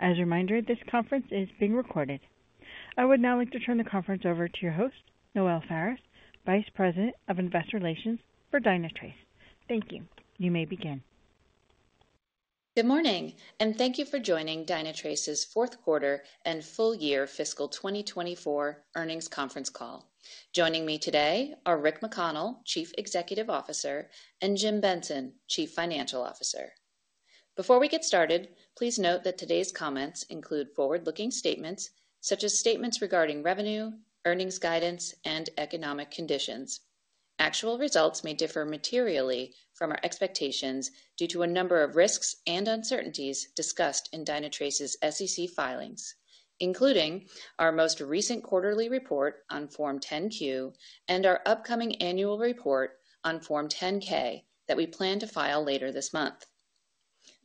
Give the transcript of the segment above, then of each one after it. As a reminder, this conference is being recorded. I would now like to turn the conference over to your host, Noelle Faris, Vice President of Investor Relations for Dynatrace. Thank you. You may begin. Good morning, and thank you for joining Dynatrace's fourth quarter and full year fiscal 2024 earnings conference call. Joining me today are Rick McConnell, Chief Executive Officer, and Jim Benson, Chief Financial Officer. Before we get started, please note that today's comments include forward-looking statements, such as statements regarding revenue, earnings guidance, and economic conditions. Actual results may differ materially from our expectations due to a number of risks and uncertainties discussed in Dynatrace's SEC filings, including our most recent quarterly report on Form 10-Q and our upcoming annual report on Form 10-K that we plan to file later this month.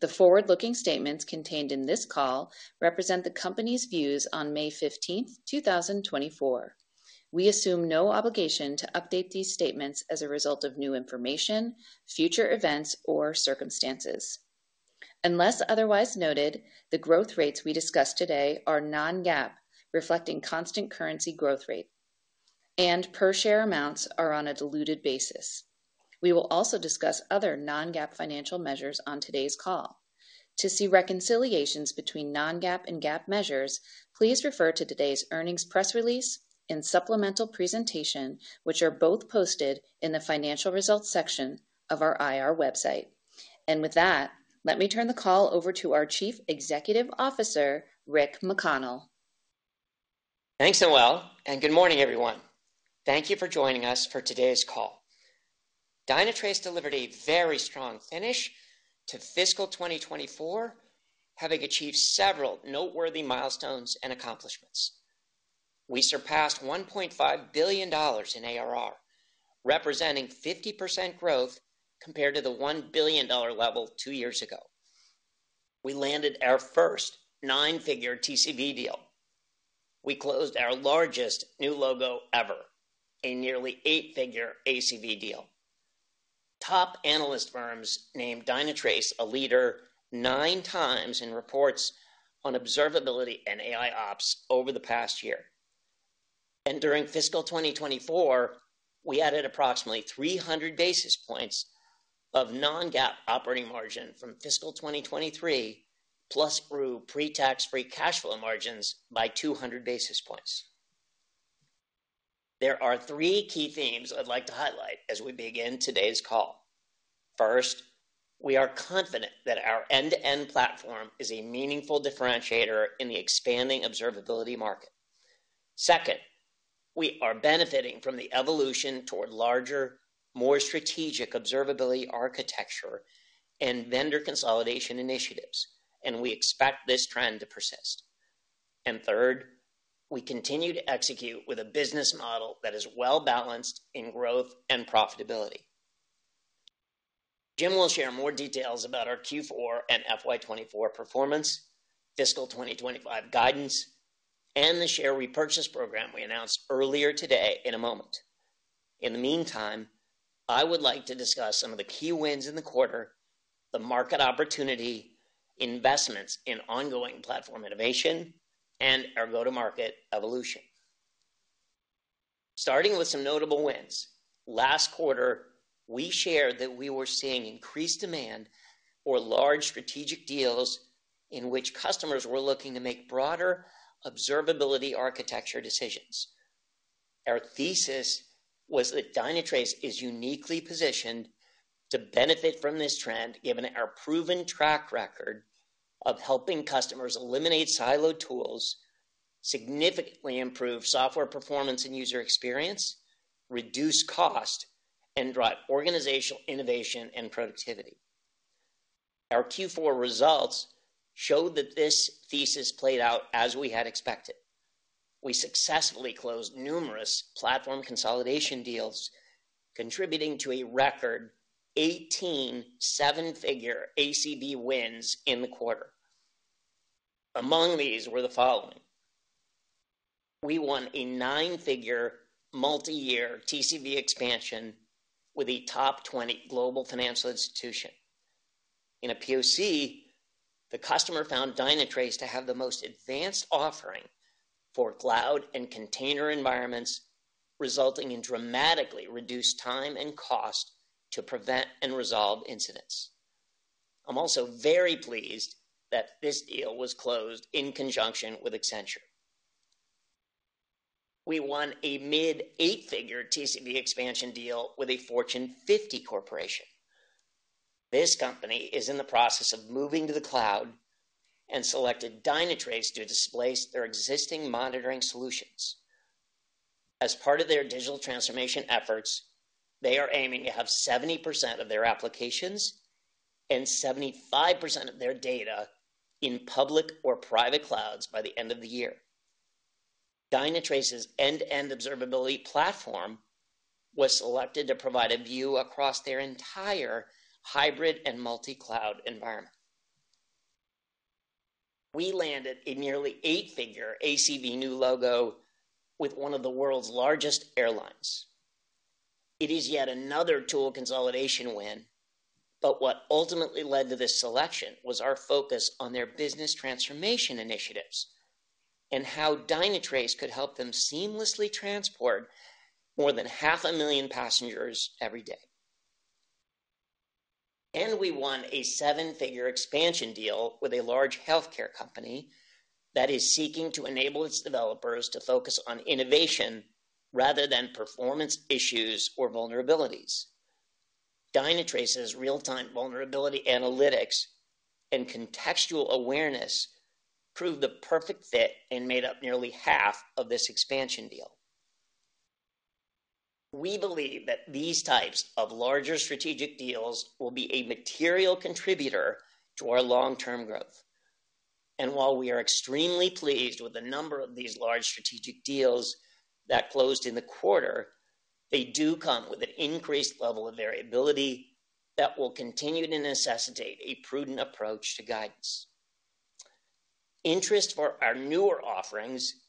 The forward-looking statements contained in this call represent the company's views on May fifteenth, 2024. We assume no obligation to update these statements as a result of new information, future events, or circumstances. Unless otherwise noted, the growth rates we discuss today are non-GAAP, reflecting constant currency growth rate, and per share amounts are on a diluted basis. We will also discuss other non-GAAP financial measures on today's call. To see reconciliations between non-GAAP and GAAP measures, please refer to today's earnings press release and supplemental presentation, which are both posted in the Financial Results section of our IR website. With that, let me turn the call over to our Chief Executive Officer, Rick McConnell. Thanks, Noelle, and good morning, everyone. Thank you for joining us for today's call. Dynatrace delivered a very strong finish to fiscal 2024, having achieved several noteworthy milestones and accomplishments. We surpassed $1.5 billion in ARR, representing 50% growth compared to the $1 billion level two years ago. We landed our first nine-figure TCV deal. We closed our largest new logo ever, a nearly eight-figure ACV deal. Top analyst firms named Dynatrace a leader 9x in reports on observability and AIOps over the past year. During fiscal 2024, we added approximately 300 basis points of non-GAAP operating margin from fiscal 2023, plus grew pre-tax, free cash flow margins by 200 basis points. There are three key themes I'd like to highlight as we begin today's call. First, we are confident that our end-to-end platform is a meaningful differentiator in the expanding observability market. Second, we are benefiting from the evolution toward larger, more strategic observability, architecture, and vendor consolidation initiatives, and we expect this trend to persist. Third, we continue to execute with a business model that is well-balanced in growth and profitability. Jim will share more details about our Q4 and FY 2024 performance, fiscal 2025 guidance, and the share repurchase program we announced earlier today in a moment. In the meantime, I would like to discuss some of the key wins in the quarter, the market opportunity, investments in ongoing platform innovation, and our go-to-market evolution. Starting with some notable wins, last quarter, we shared that we were seeing increased demand for large strategic deals in which customers were looking to make broader observability architecture decisions. Our thesis was that Dynatrace is uniquely positioned to benefit from this trend, given our proven track record of helping customers eliminate siloed tools, significantly improve software performance and user experience, reduce cost, and drive organizational innovation and productivity. Our Q4 results show that this thesis played out as we had expected. We successfully closed numerous platform consolidation deals, contributing to a record 18 seven-figure ACV wins in the quarter. Among these were the following: We won a nine-figure, multi-year TCV expansion with a top 20 global financial institution. In a POC, the customer found Dynatrace to have the most advanced offering for cloud and container environments, resulting in dramatically reduced time and cost to prevent and resolve incidents. I'm also very pleased that this deal was closed in conjunction with Accenture. We won a mid eight-figure TCV expansion deal with a Fortune 50 corporation. This company is in the process of moving to the cloud and selected Dynatrace to displace their existing monitoring solutions. As part of their digital transformation efforts, they are aiming to have 70% of their applications and 75% of their data in public or private clouds by the end of the year. Dynatrace's end-to-end observability platform was selected to provide a view across their entire hybrid and multi-cloud environment. We landed a nearly eight-figure ACV new logo with one of the world's largest airlines. It is yet another tool consolidation win, but what ultimately led to this selection was our focus on their business transformation initiatives and how Dynatrace could help them seamlessly transport more than 500,000 passengers every day. We won a seven-figure expansion deal with a large healthcare company that is seeking to enable its developers to focus on innovation rather than performance issues or vulnerabilities. Dynatrace's real-time vulnerability analytics and contextual awareness proved the perfect fit and made up nearly half of this expansion deal. We believe that these types of larger strategic deals will be a material contributor to our long-term growth. And while we are extremely pleased with the number of these large strategic deals that closed in the quarter, they do come with an increased level of variability that will continue to necessitate a prudent approach to guidance. Interest for our newer offerings,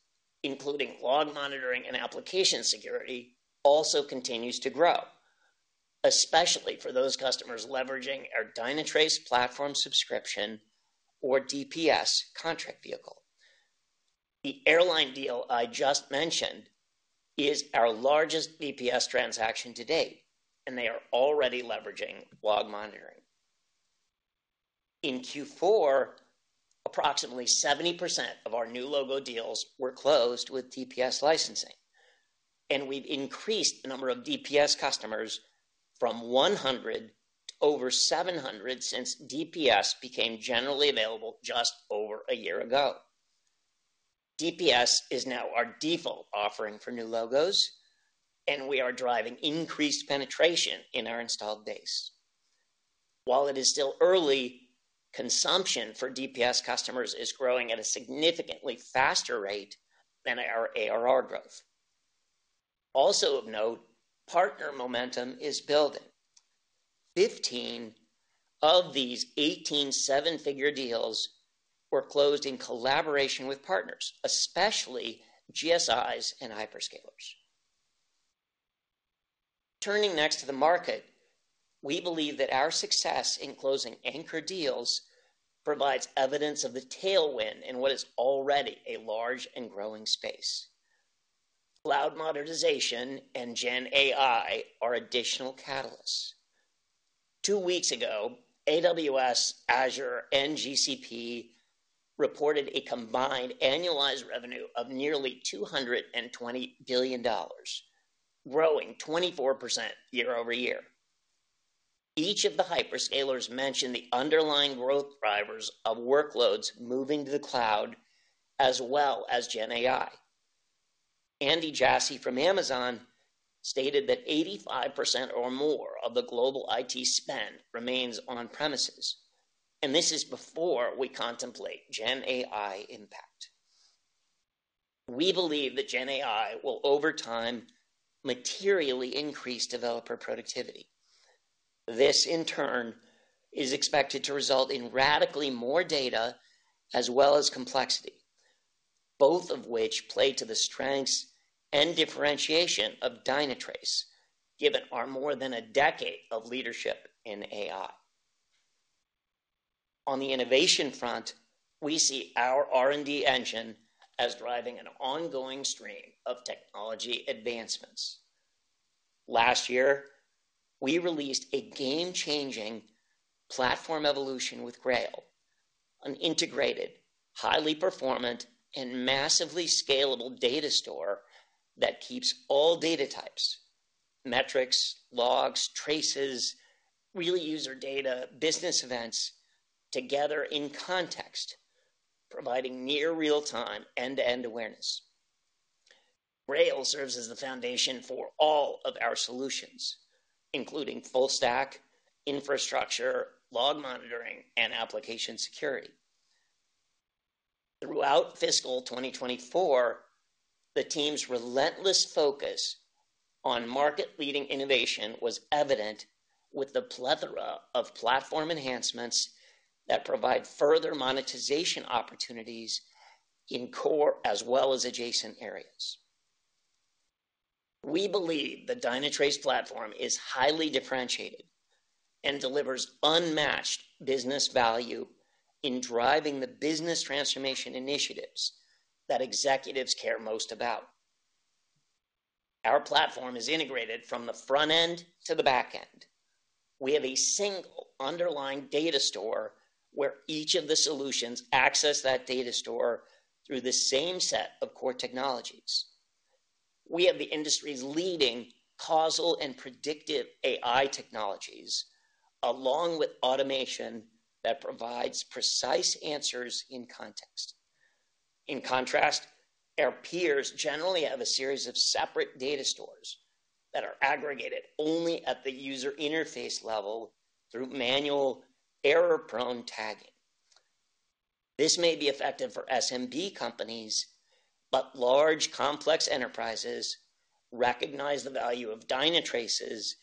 including log monitoring and application security, also continues to grow, especially for those customers leveraging our Dynatrace Platform Subscription, or DPS, contract vehicle. The airline deal I just mentioned is our largest DPS transaction to date, and they are already leveraging Log Monitoring. In Q4, approximately 70% of our new logo deals were closed with DPS licensing, and we've increased the number of DPS customers from 100 to over 700 since DPS became generally available just over a year ago. DPS is now our default offering for new logos, and we are driving increased penetration in our installed base. While it is still early, consumption for DPS customers is growing at a significantly faster rate than our ARR growth. Also of note, partner momentum is building. 15 of these 18 seven-figure deals were closed in collaboration with partners, especially GSIs and hyperscalers. Turning next to the market, we believe that our success in closing anchor deals provides evidence of the tailwind in what is already a large and growing space. Cloud modernization and GenAI are additional catalysts. Two weeks ago, AWS, Azure, and GCP reported a combined annualized revenue of nearly $220 billion, growing 24% year-over-year. Each of the hyperscalers mentioned the underlying growth drivers of workloads moving to the cloud, as well as GenAI. Andy Jassy from Amazon stated that 85% or more of the global IT spend remains on-premises, and this is before we contemplate GenAI impact. We believe that GenAI will, over time, materially increase developer productivity. This, in turn, is expected to result in radically more data as well as complexity, both of which play to the strengths and differentiation of Dynatrace, given our more than a decade of leadership in AI. On the innovation front, we see our R&D engine as driving an ongoing stream of technology advancements. Last year, we released a game-changing platform evolution with Grail, an integrated, highly performant, and massively scalable data store that keeps all data types, metrics, logs, traces, really user data, business events, together in context, providing near real-time end-to-end awareness. Grail serves as the foundation for all of our solutions, including full stack, infrastructure, log monitoring, and application security. Throughout fiscal 2024, the team's relentless focus on market-leading innovation was evident with the plethora of platform enhancements that provide further monetization opportunities in core as well as adjacent areas. We believe the Dynatrace platform is highly differentiated and delivers unmatched business value in driving the business transformation initiatives that executives care most about. Our platform is integrated from the front end to the back end. We have a single underlying data store where each of the solutions access that data store through the same set of core technologies. We have the industry's leading causal and predictive AI technologies, along with automation that provides precise answers in context. In contrast, our peers generally have a series of separate data stores that are aggregated only at the user interface level through manual error-prone tagging. This may be effective for SMB companies, but large, complex enterprises recognize the value of Dynatrace's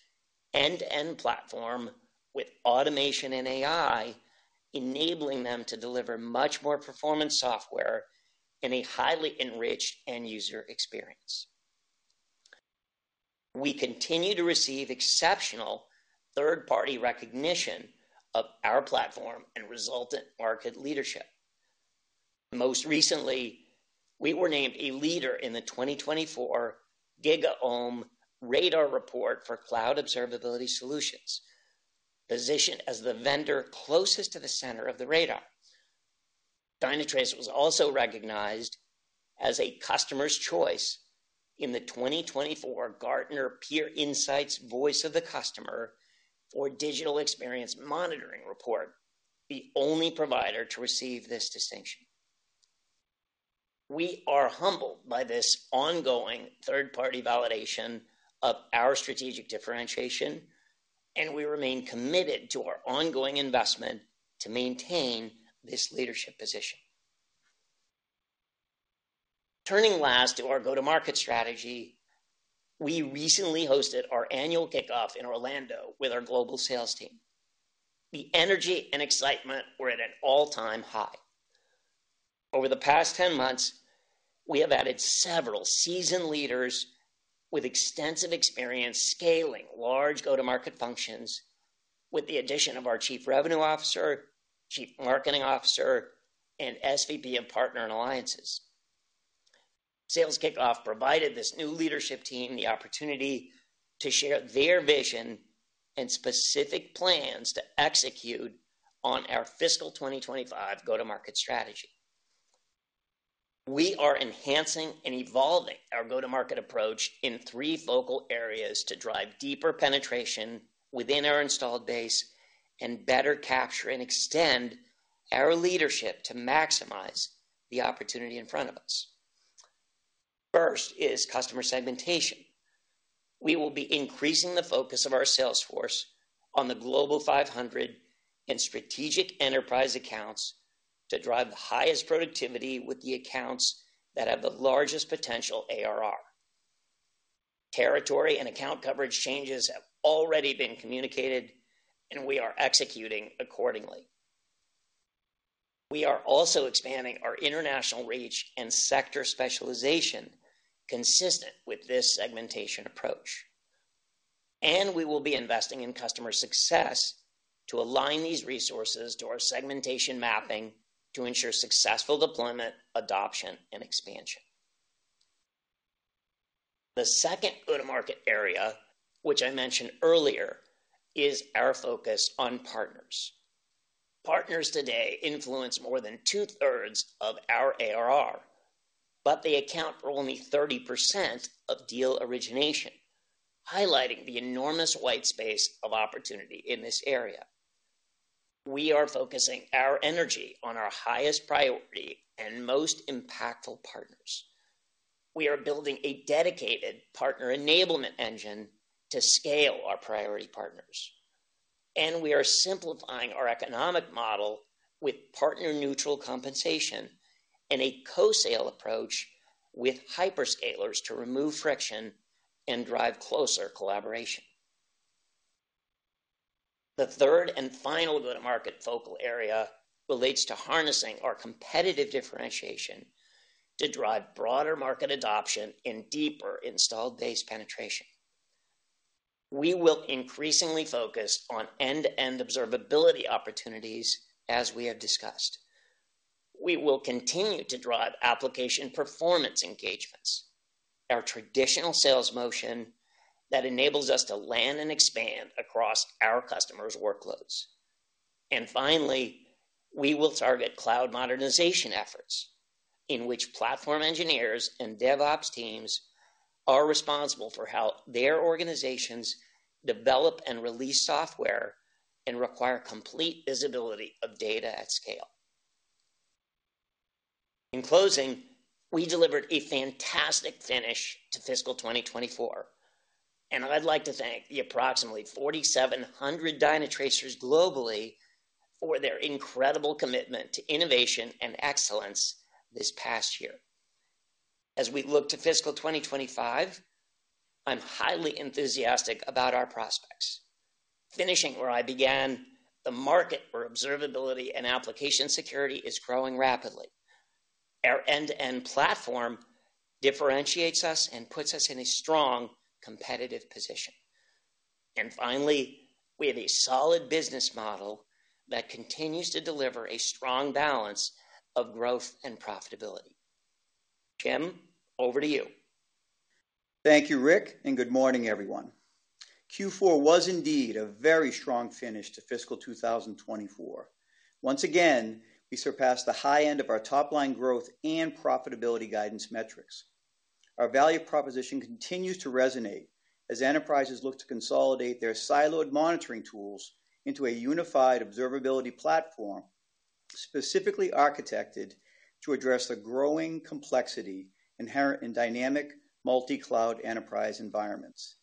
end-to-end platform with automation and AI enabling them to deliver much more performance software in a highly enriched end-user experience. We continue to receive exceptional third-party recognition of our platform and resultant market leadership. Most recently, we were named a leader in the 2024 GigaOm Radar Report for Cloud Observability Solutions, positioned as the vendor closest to the center of the radar. Dynatrace was also recognized as a Customers' Choice in the 2024 Gartner Peer Insights Voice of the Customer for Digital Experience Monitoring Report, the only provider to receive this distinction. We are humbled by this ongoing third-party validation of our strategic differentiation, and we remain committed to our ongoing investment to maintain this leadership position. Turning last to our go-to-market strategy, we recently hosted our annual kickoff in Orlando with our global sales team. The energy and excitement were at an all-time high. Over the past 10 months, we have added several seasoned leaders with extensive experience scaling large go-to-market functions, with the addition of our Chief Revenue Officer, Chief Marketing Officer, and SVP of Partner and Alliances. Sales kickoff provided this new leadership team the opportunity to share their vision and specific plans to execute on our fiscal 2025 go-to-market strategy. We are enhancing and evolving our go-to-market approach in three focal areas to drive deeper penetration within our installed base and better capture and extend our leadership to maximize the opportunity in front of us. First is customer segmentation. We will be increasing the focus of our sales force on the Global 500 and strategic enterprise accounts to drive the highest productivity with the accounts that have the largest potential ARR. Territory and account coverage changes have already been communicated, and we are executing accordingly. We are also expanding our international reach and sector specialization consistent with this segmentation approach, and we will be investing in customer success to align these resources to our segmentation mapping to ensure successful deployment, adoption, and expansion. The second go-to-market area, which I mentioned earlier, is our focus on partners. Partners today influence more than two-thirds of our ARR, but they account for only 30% of deal origination, highlighting the enormous white space of opportunity in this area. We are focusing our energy on our highest priority and most impactful partners. We are building a dedicated partner enablement engine to scale our priority partners, and we are simplifying our economic model with partner-neutral compensation and a co-sell approach with hyperscalers to remove friction and drive closer collaboration. The third and final go-to-market focal area relates to harnessing our competitive differentiation to drive broader market adoption and deeper installed base penetration. We will increasingly focus on end-to-end observability opportunities, as we have discussed. We will continue to drive application performance engagements, our traditional sales motion that enables us to land and expand across our customers' workloads. Finally, we will target cloud modernization efforts, in which platform engineers and DevOps teams are responsible for how their organizations develop and release software and require complete visibility of data at scale. In closing, we delivered a fantastic finish to fiscal 2024, and I'd like to thank the approximately 4,700 Dynatracers globally for their incredible commitment to innovation and excellence this past year. As we look to fiscal 2025, I'm highly enthusiastic about our prospects. Finishing where I began, the market for observability and application security is growing rapidly. Our end-to-end platform differentiates us and puts us in a strong competitive position. Finally, we have a solid business model that continues to deliver a strong balance of growth and profitability. Jim, over to you. Thank you, Rick, and good morning, everyone. Q4 was indeed a very strong finish to fiscal 2024. Once again, we surpassed the high end of our top-line growth and profitability guidance metrics. Our value proposition continues to resonate as enterprises look to consolidate their siloed monitoring tools into a unified observability platform, specifically architected to address the growing complexity inherent in dynamic multi-cloud enterprise environments.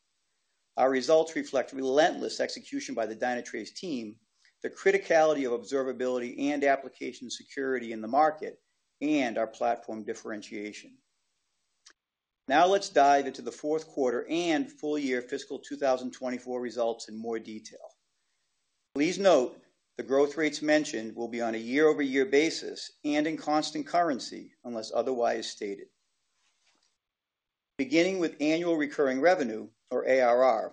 Our results reflect relentless execution by the Dynatrace team, the criticality of observability and application security in the market, and our platform differentiation.... Now let's dive into the fourth quarter and full year fiscal 2024 results in more detail. Please note, the growth rates mentioned will be on a year-over-year basis and in constant currency, unless otherwise stated. Beginning with annual recurring revenue, or ARR.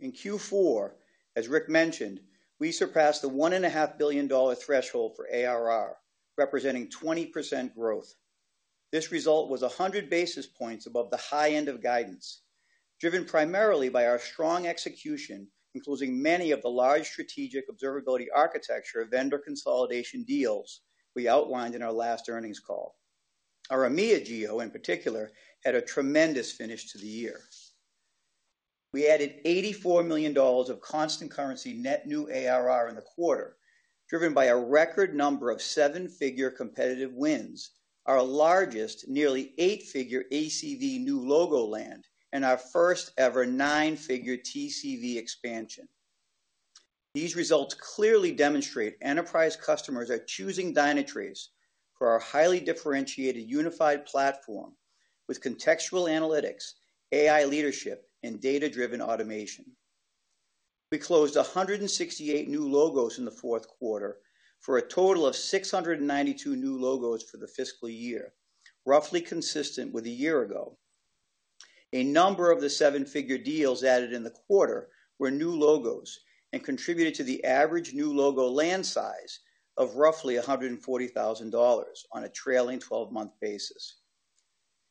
In Q4, as Rick mentioned, we surpassed the $1.5 billion threshold for ARR, representing 20% growth. This result was 100 basis points above the high end of guidance, driven primarily by our strong execution, including many of the large strategic observability architecture vendor consolidation deals we outlined in our last earnings call. Our EMEA Geo, in particular, had a tremendous finish to the year. We added $84 million of constant currency net new ARR in the quarter, driven by a record number of seven-figure competitive wins, our largest, nearly eight-figure ACV new logo land, and our first-ever nine-figure TCV expansion. These results clearly demonstrate enterprise customers are choosing Dynatrace for our highly differentiated unified platform with contextual analytics, AI leadership, and data-driven automation. We closed 168 new logos in the fourth quarter for a total of 692 new logos for the fiscal year, roughly consistent with a year ago. A number of the seven-figure deals added in the quarter were new logos and contributed to the average new logo land size of roughly $140,000 on a trailing 12-month basis.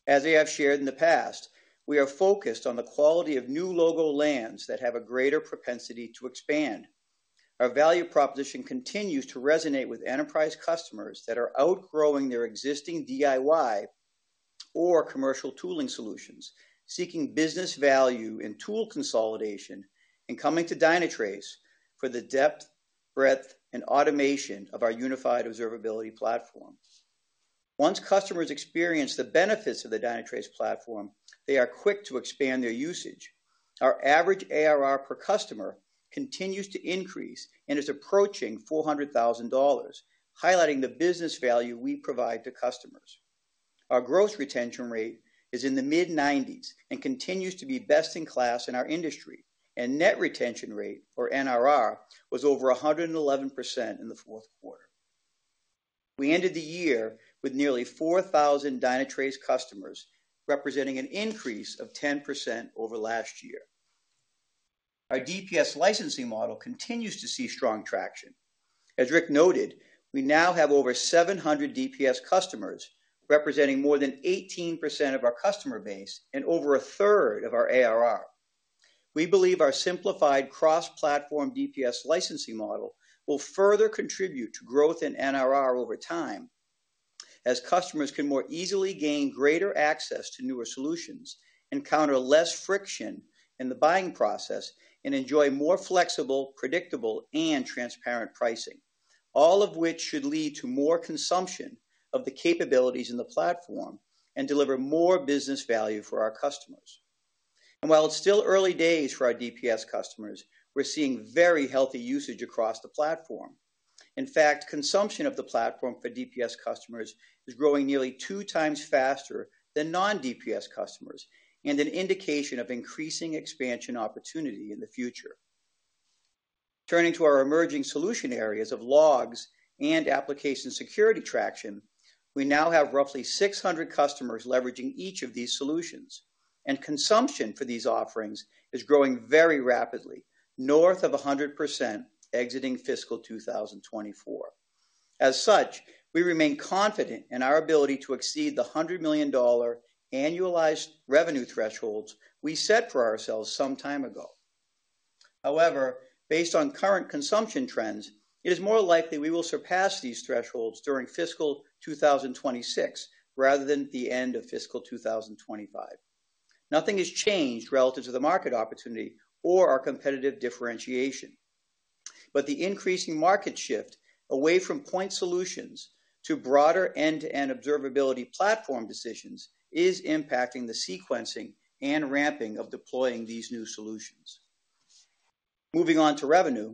As I have shared in the past, we are focused on the quality of new logo lands that have a greater propensity to expand. Our value proposition continues to resonate with enterprise customers that are outgrowing their existing DIY or commercial tooling solutions, seeking business value and tool consolidation, and coming to Dynatrace for the depth, breadth, and automation of our unified observability platform. Once customers experience the benefits of the Dynatrace platform, they are quick to expand their usage. Our average ARR per customer continues to increase and is approaching $400,000, highlighting the business value we provide to customers. Our gross retention rate is in the mid-90s and continues to be best-in-class in our industry, and net retention rate, or NRR, was over 111% in the fourth quarter. We ended the year with nearly 4,000 Dynatrace customers, representing an increase of 10% over last year. Our DPS licensing model continues to see strong traction. As Rick noted, we now have over 700 DPS customers, representing more than 18% of our customer base and over 1/3 of our ARR. We believe our simplified cross-platform DPS licensing model will further contribute to growth in NRR over time, as customers can more easily gain greater access to newer solutions, encounter less friction in the buying process, and enjoy more flexible, predictable, and transparent pricing. All of which should lead to more consumption of the capabilities in the platform and deliver more business value for our customers. And while it's still early days for our DPS customers, we're seeing very healthy usage across the platform. In fact, consumption of the platform for DPS customers is growing nearly two times faster than non-DPS customers and an indication of increasing expansion opportunity in the future. Turning to our emerging solution areas of logs and application security traction, we now have roughly 600 customers leveraging each of these solutions, and consumption for these offerings is growing very rapidly, north of 100%, exiting fiscal 2024. As such, we remain confident in our ability to exceed the $100 million annualized revenue thresholds we set for ourselves some time ago. However, based on current consumption trends, it is more likely we will surpass these thresholds during fiscal 2026 rather than the end of fiscal 2025. Nothing has changed relative to the market opportunity or our competitive differentiation, but the increasing market shift away from point solutions to broader end-to-end observability platform decisions is impacting the sequencing and ramping of deploying these new solutions. Moving on to revenue.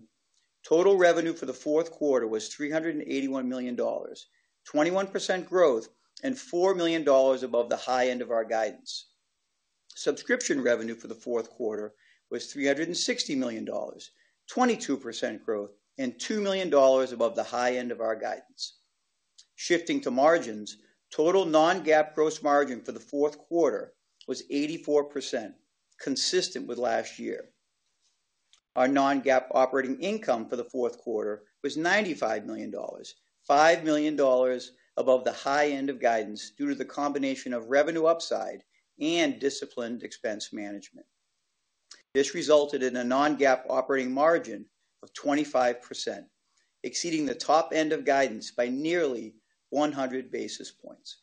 Total revenue for the fourth quarter was $381 million, 21% growth, and $4 million above the high end of our guidance. Subscription revenue for the fourth quarter was $360 million, 22% growth, and $2 million above the high end of our guidance. Shifting to margins, total non-GAAP gross margin for the fourth quarter was 84%, consistent with last year. Our non-GAAP operating income for the fourth quarter was $95 million, $5 million above the high end of guidance, due to the combination of revenue upside and disciplined expense management. This resulted in a non-GAAP operating margin of 25%, exceeding the top end of guidance by nearly 100 basis points.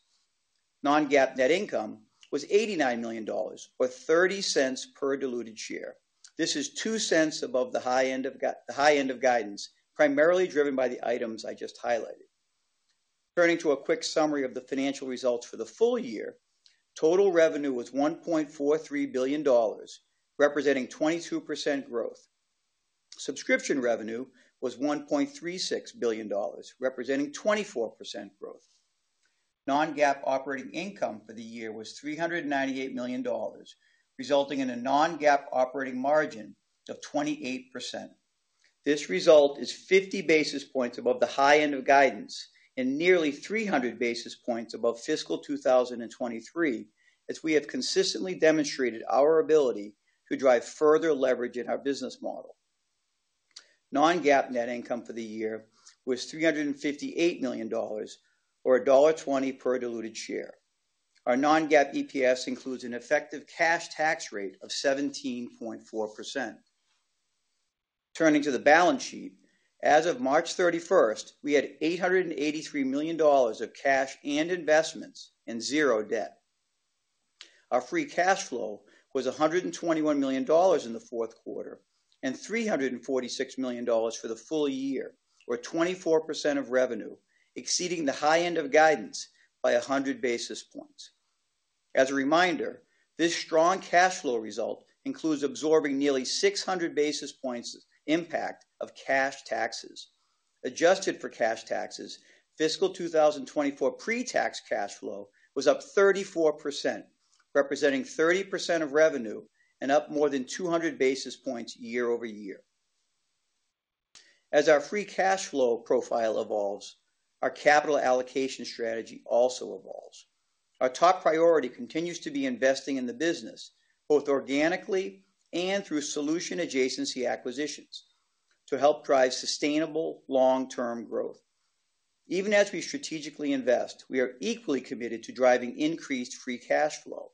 Non-GAAP net income was $89 million, or $0.30 per diluted share. This is $0.02 above the high end of GAAP guidance, primarily driven by the items I just highlighted. Turning to a quick summary of the financial results for the full year, total revenue was $1.43 billion, representing 22% growth. Subscription revenue was $1.36 billion, representing 24% growth. Non-GAAP operating income for the year was $398 million, resulting in a non-GAAP operating margin of 28%. This result is 50 basis points above the high end of guidance and nearly 300 basis points above fiscal 2023, as we have consistently demonstrated our ability to drive further leverage in our business model. Non-GAAP net income for the year was $358 million or $1.20 per diluted share. Our non-GAAP EPS includes an effective cash tax rate of 17.4%. Turning to the balance sheet, as of March 31st, we had $883 million of cash and investments and zero debt. Our free cash flow was $121 million in the fourth quarter and $346 million for the full year, or 24% of revenue, exceeding the high end of guidance by 100 basis points. As a reminder, this strong cash flow result includes absorbing nearly 600 basis points impact of cash taxes. Adjusted for cash taxes, fiscal 2024 pre-tax cash flow was up 34%, representing 30% of revenue and up more than 200 basis points year-over-year. As our free cash flow profile evolves, our capital allocation strategy also evolves. Our top priority continues to be investing in the business, both organically and through solution adjacency acquisitions, to help drive sustainable long-term growth. Even as we strategically invest, we are equally committed to driving increased free cash flow.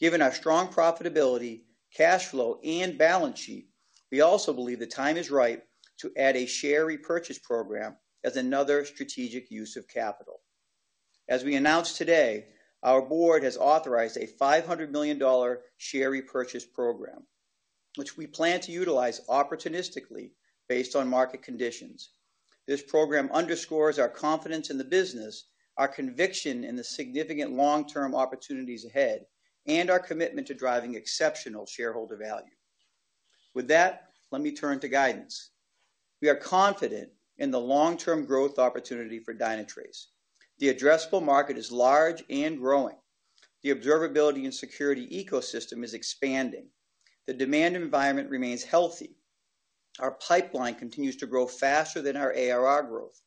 Given our strong profitability, cash flow, and balance sheet, we also believe the time is right to add a share repurchase program as another strategic use of capital. As we announced today, our board has authorized a $500 million share repurchase program, which we plan to utilize opportunistically based on market conditions. This program underscores our confidence in the business, our conviction in the significant long-term opportunities ahead, and our commitment to driving exceptional shareholder value. With that, let me turn to guidance. We are confident in the long-term growth opportunity for Dynatrace. The addressable market is large and growing. The observability and security ecosystem is expanding. The demand environment remains healthy. Our pipeline continues to grow faster than our ARR growth.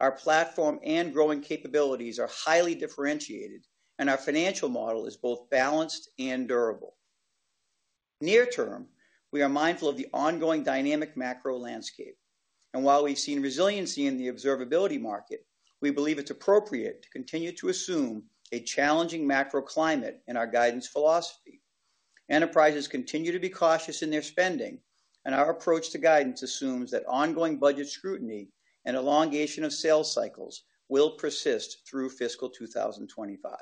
Our platform and growing capabilities are highly differentiated, and our financial model is both balanced and durable. Near term, we are mindful of the ongoing dynamic macro landscape, and while we've seen resiliency in the observability market, we believe it's appropriate to continue to assume a challenging macro climate in our guidance philosophy. Enterprises continue to be cautious in their spending, and our approach to guidance assumes that ongoing budget scrutiny and elongation of sales cycles will persist through fiscal 2025.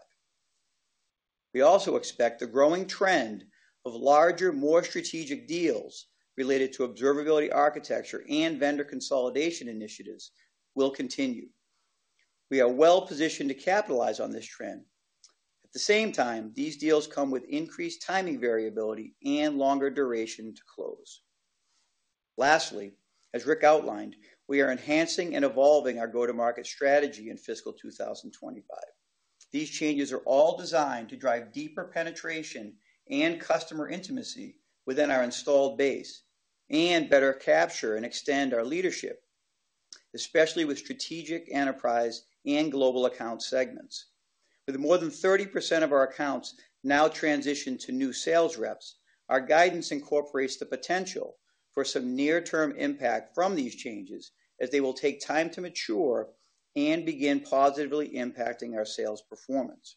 We also expect the growing trend of larger, more strategic deals related to observability, architecture, and vendor consolidation initiatives will continue. We are well-positioned to capitalize on this trend. At the same time, these deals come with increased timing, variability, and longer duration to close. Lastly, as Rick outlined, we are enhancing and evolving our go-to-market strategy in fiscal 2025. These changes are all designed to drive deeper penetration and customer intimacy within our installed base and better capture and extend our leadership, especially with strategic enterprise and global account segments. With more than 30% of our accounts now transitioned to new sales reps, our guidance incorporates the potential for some near-term impact from these changes, as they will take time to mature and begin positively impacting our sales performance.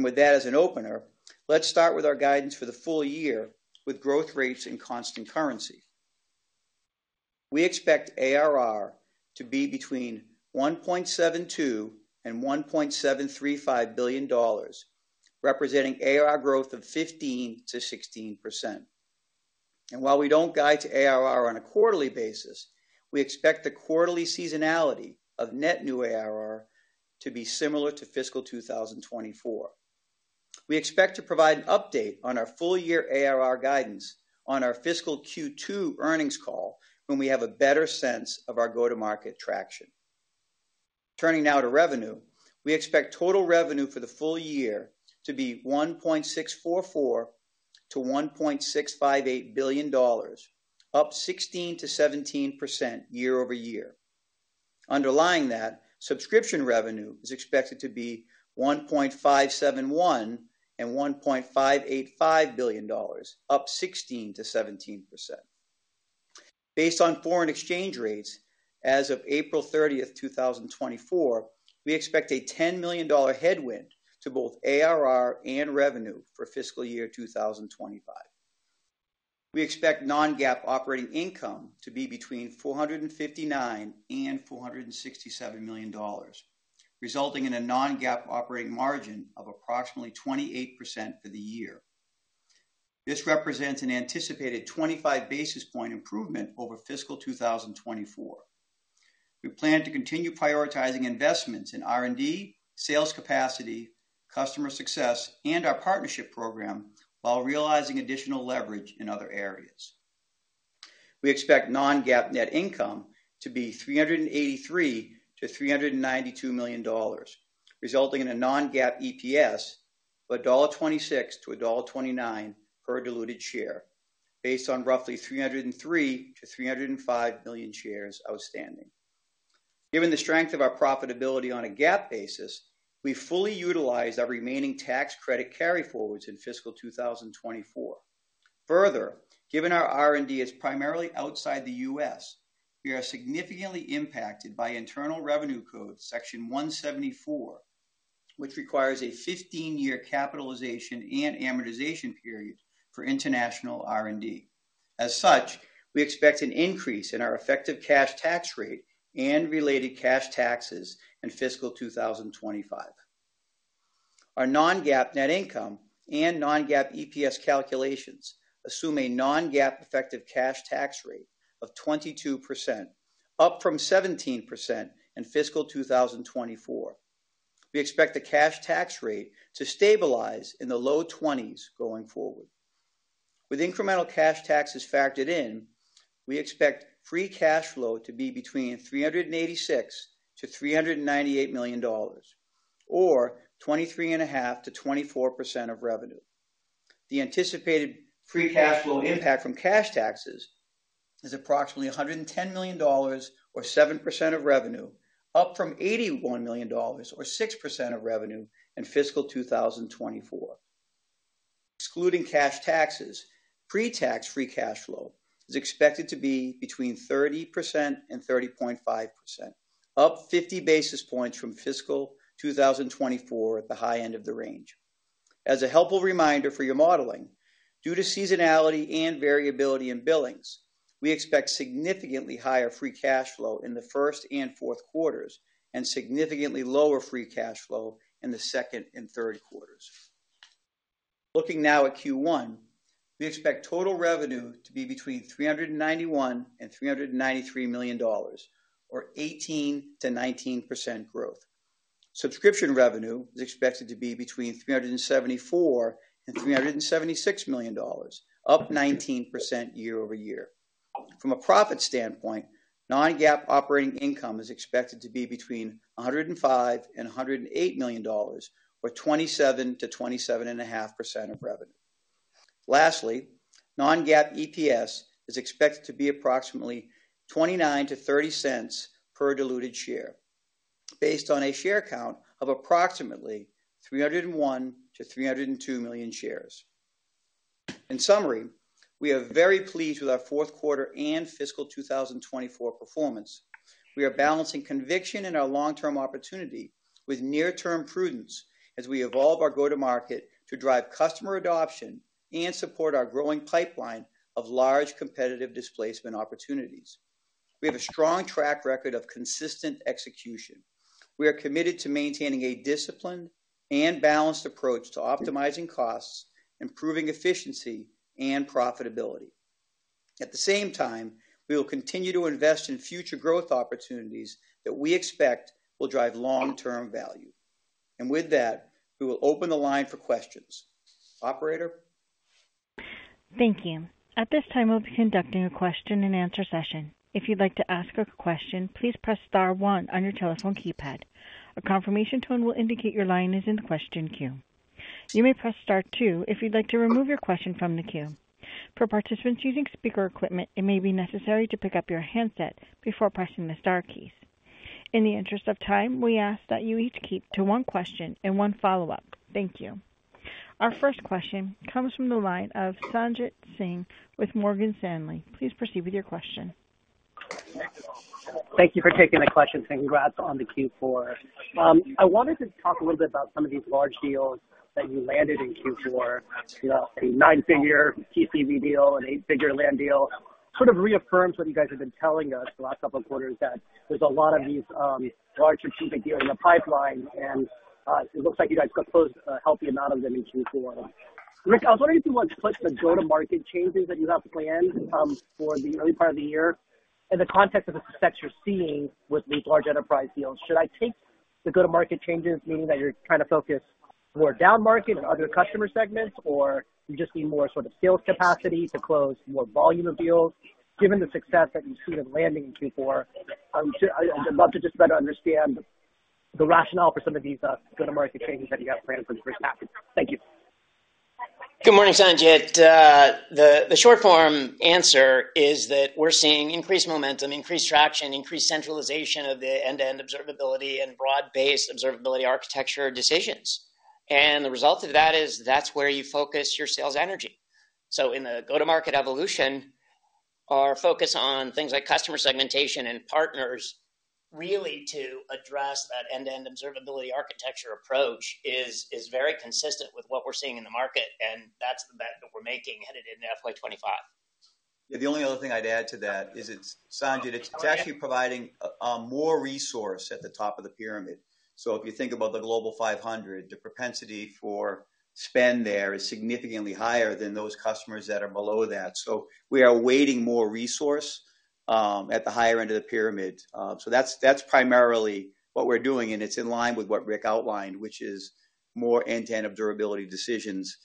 With that as an opener, let's start with our guidance for the full year with growth rates and constant currency. We expect ARR to be between $1.72 billion and $1.735 billion, representing ARR growth of 15%-16%. And while we don't guide to ARR on a quarterly basis, we expect the quarterly seasonality of net new ARR to be similar to fiscal 2024. We expect to provide an update on our full year ARR guidance on our fiscal Q2 earnings call, when we have a better sense of our go-to-market traction. Turning now to revenue, we expect total revenue for the full year to be $1.644 billion-$1.658 billion, up 16%-17% year-over-year. Underlying that, subscription revenue is expected to be $1.571 billion and $1.585 billion, up 16%-17%. Based on foreign exchange rates as of April 30th, 2024, we expect a $10 million headwind to both ARR and revenue for fiscal year 2025. We expect non-GAAP operating income to be between $459 million and $467 million, resulting in a non-GAAP operating margin of approximately 28% for the year. This represents an anticipated 25 basis point improvement over fiscal 2024.... We plan to continue prioritizing investments in R&D, sales capacity, customer success, and our partnership program, while realizing additional leverage in other areas. We expect non-GAAP net income to be $383 million-$392 million, resulting in a non-GAAP EPS of $1.26-$1.29 per diluted share, based on roughly 303 million-305 million shares outstanding. Given the strength of our profitability on a GAAP basis, we fully utilized our remaining tax credit carryforwards in fiscal 2024. Further, given our R&D is primarily outside the U.S., we are significantly impacted by Internal Revenue Code Section 174, which requires a 15-year capitalization and amortization period for international R&D. As such, we expect an increase in our effective cash tax rate and related cash taxes in fiscal 2025. Our non-GAAP net income and non-GAAP EPS calculations assume a non-GAAP effective cash tax rate of 22%, up from 17% in fiscal 2024. We expect the cash tax rate to stabilize in the low 20s going forward. With incremental cash taxes factored in, we expect free cash flow to be between $386 million-$398 million, or 23.5%-24% of revenue. The anticipated free cash flow impact from cash taxes is approximately $110 million, or 7% of revenue, up from $81 million, or 6% of revenue in fiscal 2024. Excluding cash taxes, pre-tax free cash flow is expected to be between 30% and 30.5%, up 50 basis points from fiscal 2024 at the high end of the range. As a helpful reminder for your modeling, due to seasonality and variability in billings, we expect significantly higher free cash flow in the first and fourth quarters, and significantly lower free cash flow in the second and third quarters. Looking now at Q1, we expect total revenue to be between $391 million and $393 million, or 18%-19% growth. Subscription revenue is expected to be between $374 million and $376 million, up 19% year-over-year. From a profit standpoint, non-GAAP operating income is expected to be between $105 million and $108 million, or 27%-27.5% of revenue. Lastly, non-GAAP EPS is expected to be approximately $0.29-$0.30 per diluted share, based on a share count of approximately 301 million-302 million shares. In summary, we are very pleased with our fourth quarter and fiscal 2024 performance. We are balancing conviction in our long-term opportunity with near-term prudence as we evolve our go-to-market to drive customer adoption and support our growing pipeline of large competitive displacement opportunities. We have a strong track record of consistent execution. We are committed to maintaining a disciplined and balanced approach to optimizing costs, improving efficiency, and profitability. At the same time, we will continue to invest in future growth opportunities that we expect will drive long-term value. With that, we will open the line for questions. Operator? Thank you. At this time, we'll be conducting a question-and-answer session. If you'd like to ask a question, please press star one on your telephone keypad. A confirmation tone will indicate your line is in the question queue. You may press star two if you'd like to remove your question from the queue. For participants using speaker equipment, it may be necessary to pick up your handset before pressing the star keys. In the interest of time, we ask that you each keep to one question and one follow-up. Thank you. Our first question comes from the line of Sanjit Singh with Morgan Stanley. Please proceed with your question. Thank you for taking the question, and congrats on the Q4. I wanted to talk a little bit about some of these large deals that you landed in Q4. You know, a nine-figure TCV deal, an eight-figure land deal, sort of reaffirms what you guys have been telling us the last couple of quarters, that there's a lot of these larger, strategic deals in the pipeline, and it looks like you guys got closed a healthy amount of them in Q4. Rick, I was wondering if you want to put the go-to-market changes that you have to plan for the early part of the year in the context of the success you're seeing with these large enterprise deals. Should I take the go-to-market changes, meaning that you're trying to focus more downmarket on other customer segments, or you just need more sort of sales capacity to close more volume of deals? Given the success that you've seen in landing in Q4, I would, I would love to just better understand the rationale for some of these, go-to-market changes that you have planned for the first half. Thank you. Good morning, Sanjit. The short form answer is that we're seeing increased momentum, increased traction, increased centralization of the end-to-end observability and broad-based observability architecture decisions. The result of that is that's where you focus your sales energy. In the go-to-market evolution, our focus on things like customer segmentation and partners, really to address that end-to-end observability architecture approach is very consistent with what we're seeing in the market, and that's the bet that we're making headed into FY 2025. Yeah, the only other thing I'd add to that is it's Sanjit, it's actually providing more resource at the top of the pyramid. So if you think about the Global 500, the propensity for spend there is significantly higher than those customers that are below that. So we are weighting more resource at the higher end of the pyramid. So that's, that's primarily what we're doing, and it's in line with what Rick outlined, which is more end-to-end observability decisions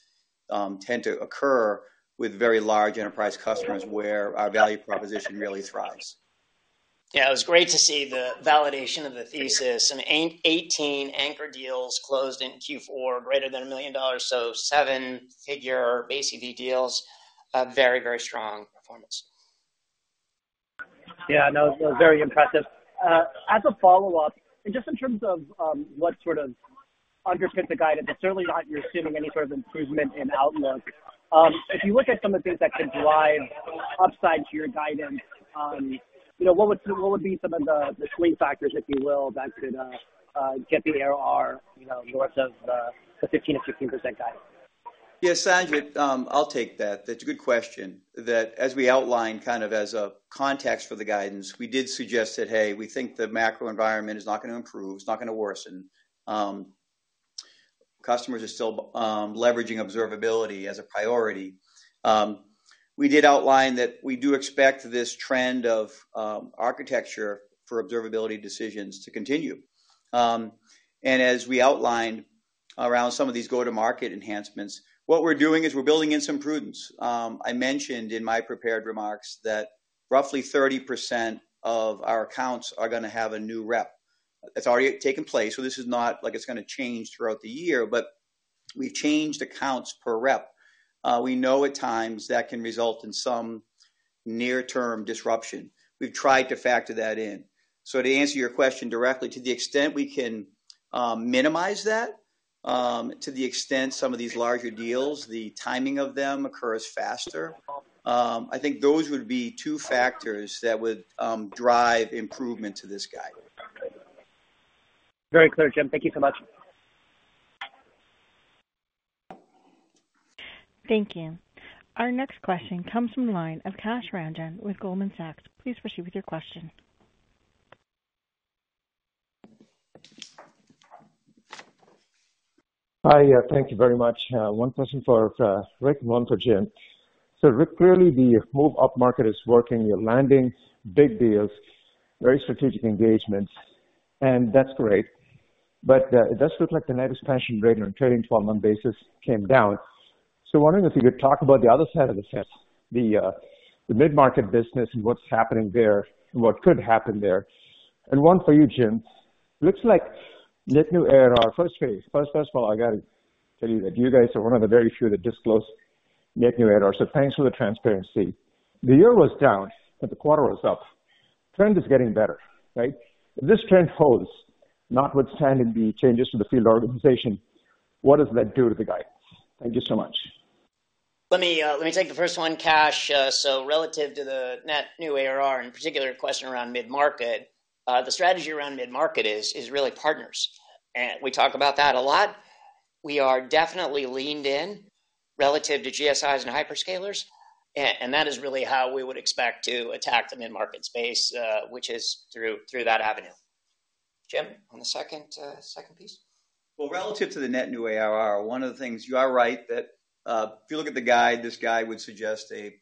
tend to occur with very large enterprise customers where our value proposition really thrives. Yeah, it was great to see the validation of the thesis, and 18 anchor deals closed in Q4 greater than $1 million, so seven-figure ACV deals, a very, very strong performance. Yeah, no, very impressive. As a follow-up, and just in terms of what sort of underpins the guidance, but certainly not you're assuming any sort of improvement in outlook. If you look at some of the things that could drive upside to your guidance, you know, what would, what would be some of the, the swing factors, if you will, that could get the ARR, you know, north of the 15%-16% guidance? Yes, Sanjit, I'll take that. That's a good question. That as we outlined, kind of as a context for the guidance, we did suggest that, hey, we think the macro environment is not gonna improve, it's not gonna worsen. Customers are still leveraging observability as a priority. We did outline that we do expect this trend of architecture for observability decisions to continue. And as we outlined around some of these go-to-market enhancements, what we're doing is we're building in some prudence. I mentioned in my prepared remarks that roughly 30% of our accounts are gonna have a new rep. It's already taken place, so this is not like it's gonna change throughout the year, but we've changed accounts per rep. We know at times that can result in some near-term disruption. We've tried to factor that in. So to answer your question directly, to the extent we can minimize that, to the extent some of these larger deals, the timing of them occurs faster, I think those would be two factors that would drive improvement to this guidance. Very clear, Jim. Thank you so much. Thank you. Our next question comes from the line of Kash Rangan with Goldman Sachs. Please proceed with your question. Hi, thank you very much. One question for Rick, and one for Jim. So, Rick, clearly, the move upmarket is working. You're landing big deals, very strategic engagements, and that's great. But, it does look like the net expansion rate on a trailing twelve-month basis came down. So wondering if you could talk about the other side of the house, the mid-market business and what's happening there, and what could happen there. And one for you, Jim. Looks like net new ARR. First of all, I gotta tell you that you guys are one of the very few that disclose net new ARR, so thanks for the transparency. The year was down, but the quarter was up. Trend is getting better, right? If this trend holds, notwithstanding the changes to the field organization, what does that do to the guide? Thank you so much. Let me, let me take the first one, Kash. So relative to the net new ARR, in particular, question around mid-market, the strategy around mid-market is, is really partners, and we talk about that a lot. We are definitely leaned in relative to GSIs and hyperscalers, and, and that is really how we would expect to attack the mid-market space, which is through, through that avenue. Jim, on the second, second piece? Well, relative to the net new ARR, one of the things... You are right, that, if you look at the guide, this guide would suggest a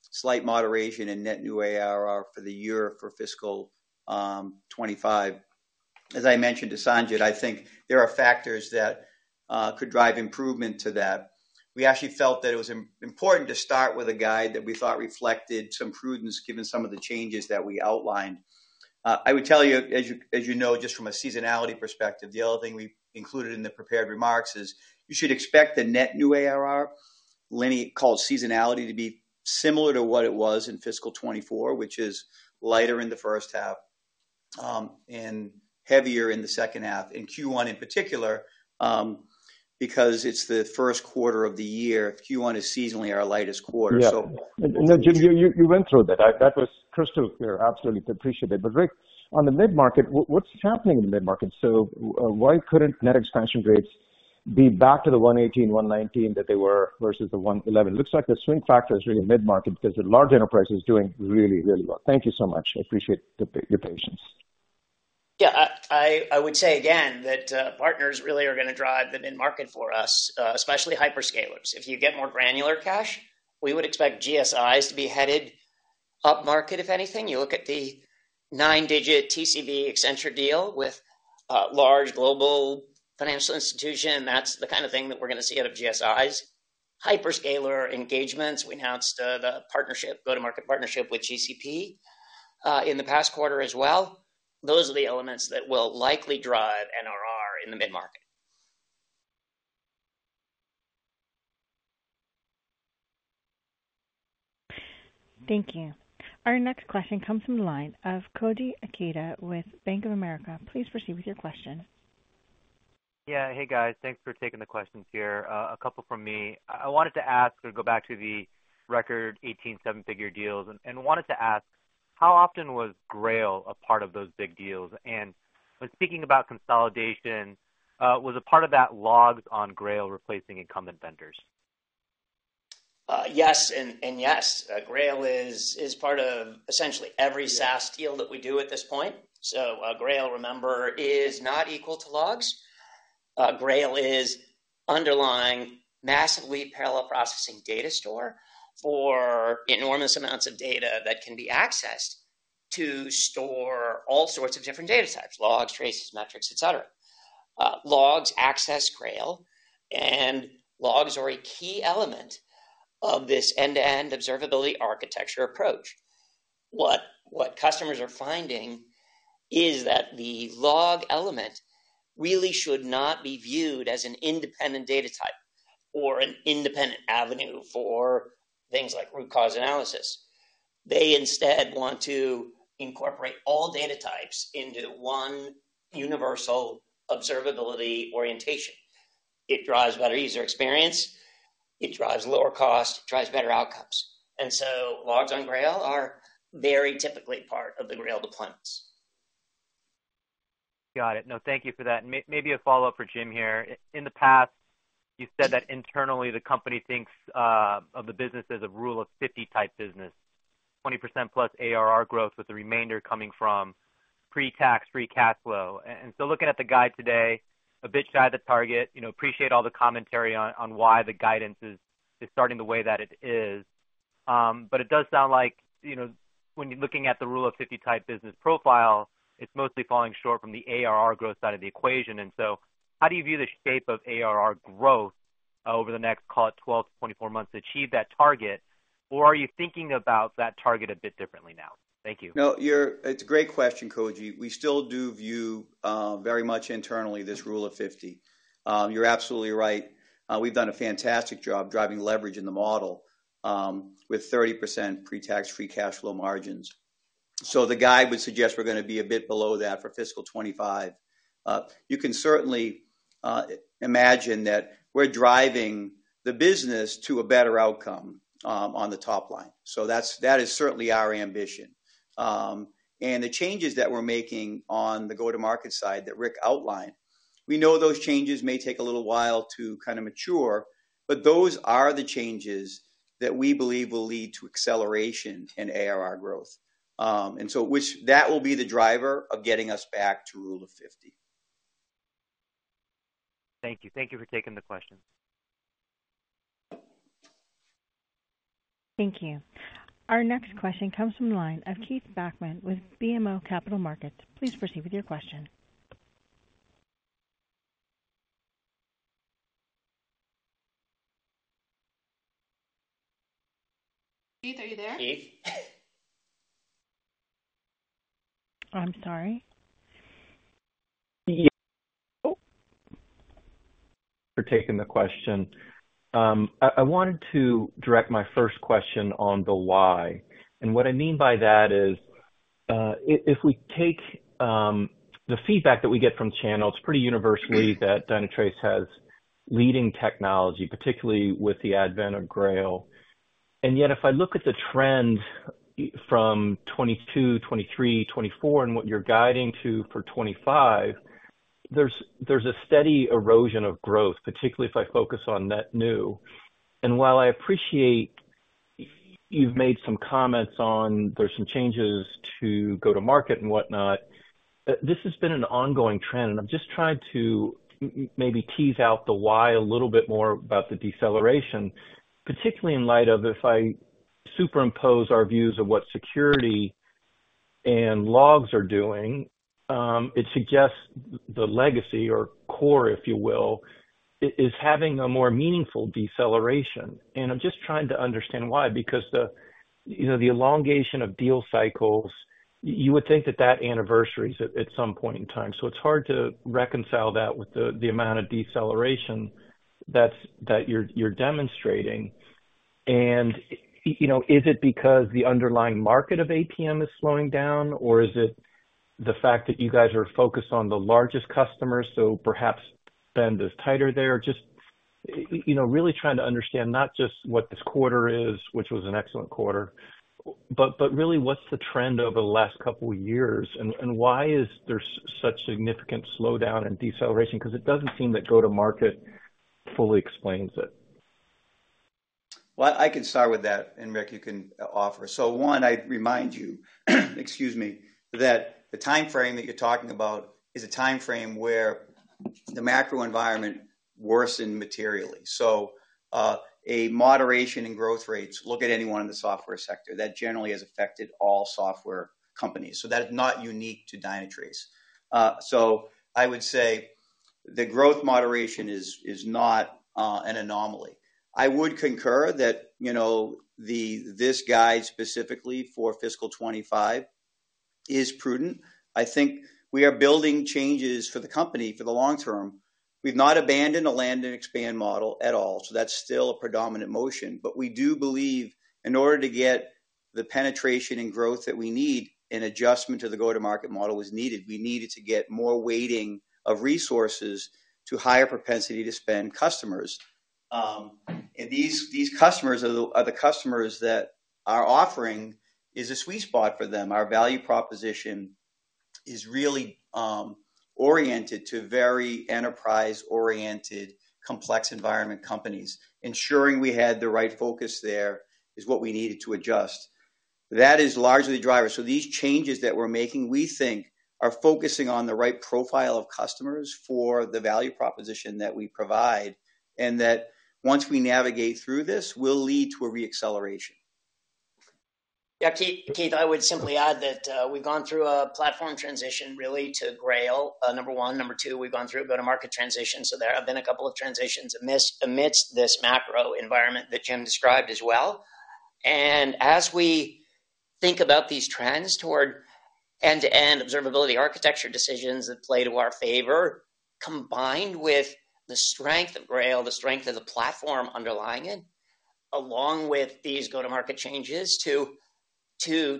slight moderation in net new ARR for the year for fiscal 2025. As I mentioned to Sanjit, I think there are factors that could drive improvement to that. We actually felt that it was important to start with a guide that we thought reflected some prudence, given some of the changes that we outlined. I would tell you, as you, as you know, just from a seasonality perspective, the other thing we included in the prepared remarks is you should expect the net new ARR, linearity, to be similar to what it was in fiscal 2024, which is lighter in the first half, and heavier in the second half, in Q1 in particular, because it's the first quarter of the year. Q1 is seasonally our lightest quarter, so- Yeah. No, Jim, you went through that. That was crystal clear. Absolutely appreciate it. But Rick, on the mid-market, what's happening in the mid-market? So why couldn't net expansion rates be back to the 118, 119 that they were versus the 111? It looks like the swing factor is really mid-market because the large enterprise is doing really, really well. Thank you so much. I appreciate your patience. Yeah, I would say again that, partners really are gonna drive the mid-market for us, especially hyperscalers. If you get more granular, Kash, we would expect GSIs to be headed upmarket if anything. You look at the nine-figure TCV Accenture deal with a large global financial institution, that's the kind of thing that we're gonna see out of GSIs. Hyperscaler engagements, we announced the partnership, go-to-market partnership with GCP, in the past quarter as well. Those are the elements that will likely drive NRR in the mid-market. Thank you. Our next question comes from the line of Koji Ikeda with Bank of America. Please proceed with your question. Yeah. Hey, guys. Thanks for taking the questions here. A couple from me. I wanted to ask or go back to the record 18 seven-figure deals, and wanted to ask, how often was Grail a part of those big deals? And when speaking about consolidation, was a part of that logs on Grail replacing incumbent vendors? Yes, and, and yes. Grail is, is part of essentially every SaaS deal that we do at this point. So, Grail, remember, is not equal to logs. Grail is underlying massively parallel processing data store for enormous amounts of data that can be accessed to store all sorts of different data types, logs, traces, metrics, et cetera. Logs access Grail, and logs are a key element of this end-to-end observability architecture approach. What, what customers are finding is that the log element really should not be viewed as an independent data type or an independent avenue for things like root cause analysis. They instead want to incorporate all data types into one universal observability orientation. It drives better user experience, it drives lower cost, it drives better outcomes. And so logs on Grail are very typically part of the Grail deployments. Got it. No, thank you for that. Maybe a follow-up for Jim here. In the past, you said that internally, the company thinks of the business as a Rule of 50-type business, +20% ARR growth, with the remainder coming from pre-tax free cash flow. And so looking at the guide today, a bit shy of the target. You know, appreciate all the commentary on why the guidance is starting the way that it is. But it does sound like, you know, when you're looking at the Rule of 50-type business profile, it's mostly falling short from the ARR growth side of the equation. And so how do you view the shape of ARR growth over the next, call it, 12-24 months to achieve that target? Or are you thinking about that target a bit differently now? Thank you. No, you're-- It's a great question, Koji. We still do view very much internally this Rule of 50. You're absolutely right. We've done a fantastic job driving leverage in the model with 30% pre-tax free cash flow margins. So the guide would suggest we're gonna be a bit below that for fiscal 2025. You can certainly imagine that we're driving the business to a better outcome on the top line. So that's, that is certainly our ambition. And the changes that we're making on the go-to-market side that Rick outlined, we know those changes may take a little while to kind of mature, but those are the changes that we believe will lead to acceleration in ARR growth. And so which-- that will be the driver of getting us back to Rule of 50. Thank you. Thank you for taking the question. Thank you. Our next question comes from the line of Keith Bachman with BMO Capital Markets. Please proceed with your question. Keith, are you there? Keith? I'm sorry. Yeah. Oh. For taking the question. I wanted to direct my first question on the why. And what I mean by that is, if we take the feedback that we get from channels, pretty universally that Dynatrace has leading technology, particularly with the advent of Grail. And yet, if I look at the trend from 2022, 2023, 2024, and what you're guiding to for 2025, there's a steady erosion of growth, particularly if I focus on net new. And while I appreciate you've made some comments on there's some changes to go to market and whatnot, this has been an ongoing trend, and I'm just trying to maybe tease out the why a little bit more about the deceleration, particularly in light of if I superimpose our views of what security and logs are doing, it suggests the legacy or core, if you will, is having a more meaningful deceleration. And I'm just trying to understand why. Because the, you know, the elongation of deal cycles, you would think that anniversaries at some point in time. So it's hard to reconcile that with the amount of deceleration that's you're demonstrating. And, you know, is it because the underlying market of APM is slowing down, or is it the fact that you guys are focused on the largest customers, so perhaps spend is tighter there? Just, you know, really trying to understand not just what this quarter is, which was an excellent quarter, but really, what's the trend over the last couple of years, and why is there such significant slowdown and deceleration? Because it doesn't seem that go-to-market fully explains it. Well, I can start with that, and, Rick, you can offer. So one, I'd remind you, excuse me, that the timeframe that you're talking about is a timeframe where the macro environment worsened materially. So, a moderation in growth rates, look at anyone in the software sector, that generally has affected all software companies. So that is not unique to Dynatrace. So I would say the growth moderation is, is not an anomaly. I would concur that, you know, this guide specifically for fiscal 2025 is prudent. I think we are building changes for the company for the long term. We've not abandoned a land and expand model at all, so that's still a predominant motion. But we do believe in order to get the penetration and growth that we need, an adjustment to the go-to-market model was needed. We needed to get more weighting of resources to higher propensity to spend customers. And these customers are the customers that our offering is a sweet spot for them. Our value proposition is really oriented to very enterprise-oriented, complex environment companies. Ensuring we had the right focus there is what we needed to adjust. That is largely the driver. So these changes that we're making, we think are focusing on the right profile of customers for the value proposition that we provide, and that once we navigate through this, will lead to a re-acceleration. Yeah, Keith, Keith, I would simply add that, we've gone through a platform transition really to Grail, number one. Number two, we've gone through a go-to-market transition, so there have been a couple of transitions amidst this macro environment that Jim described as well. And as we think about these trends toward end-to-end observability, architecture decisions that play to our favor, combined with the strength of Grail, the strength of the platform underlying it, along with these go-to-market changes to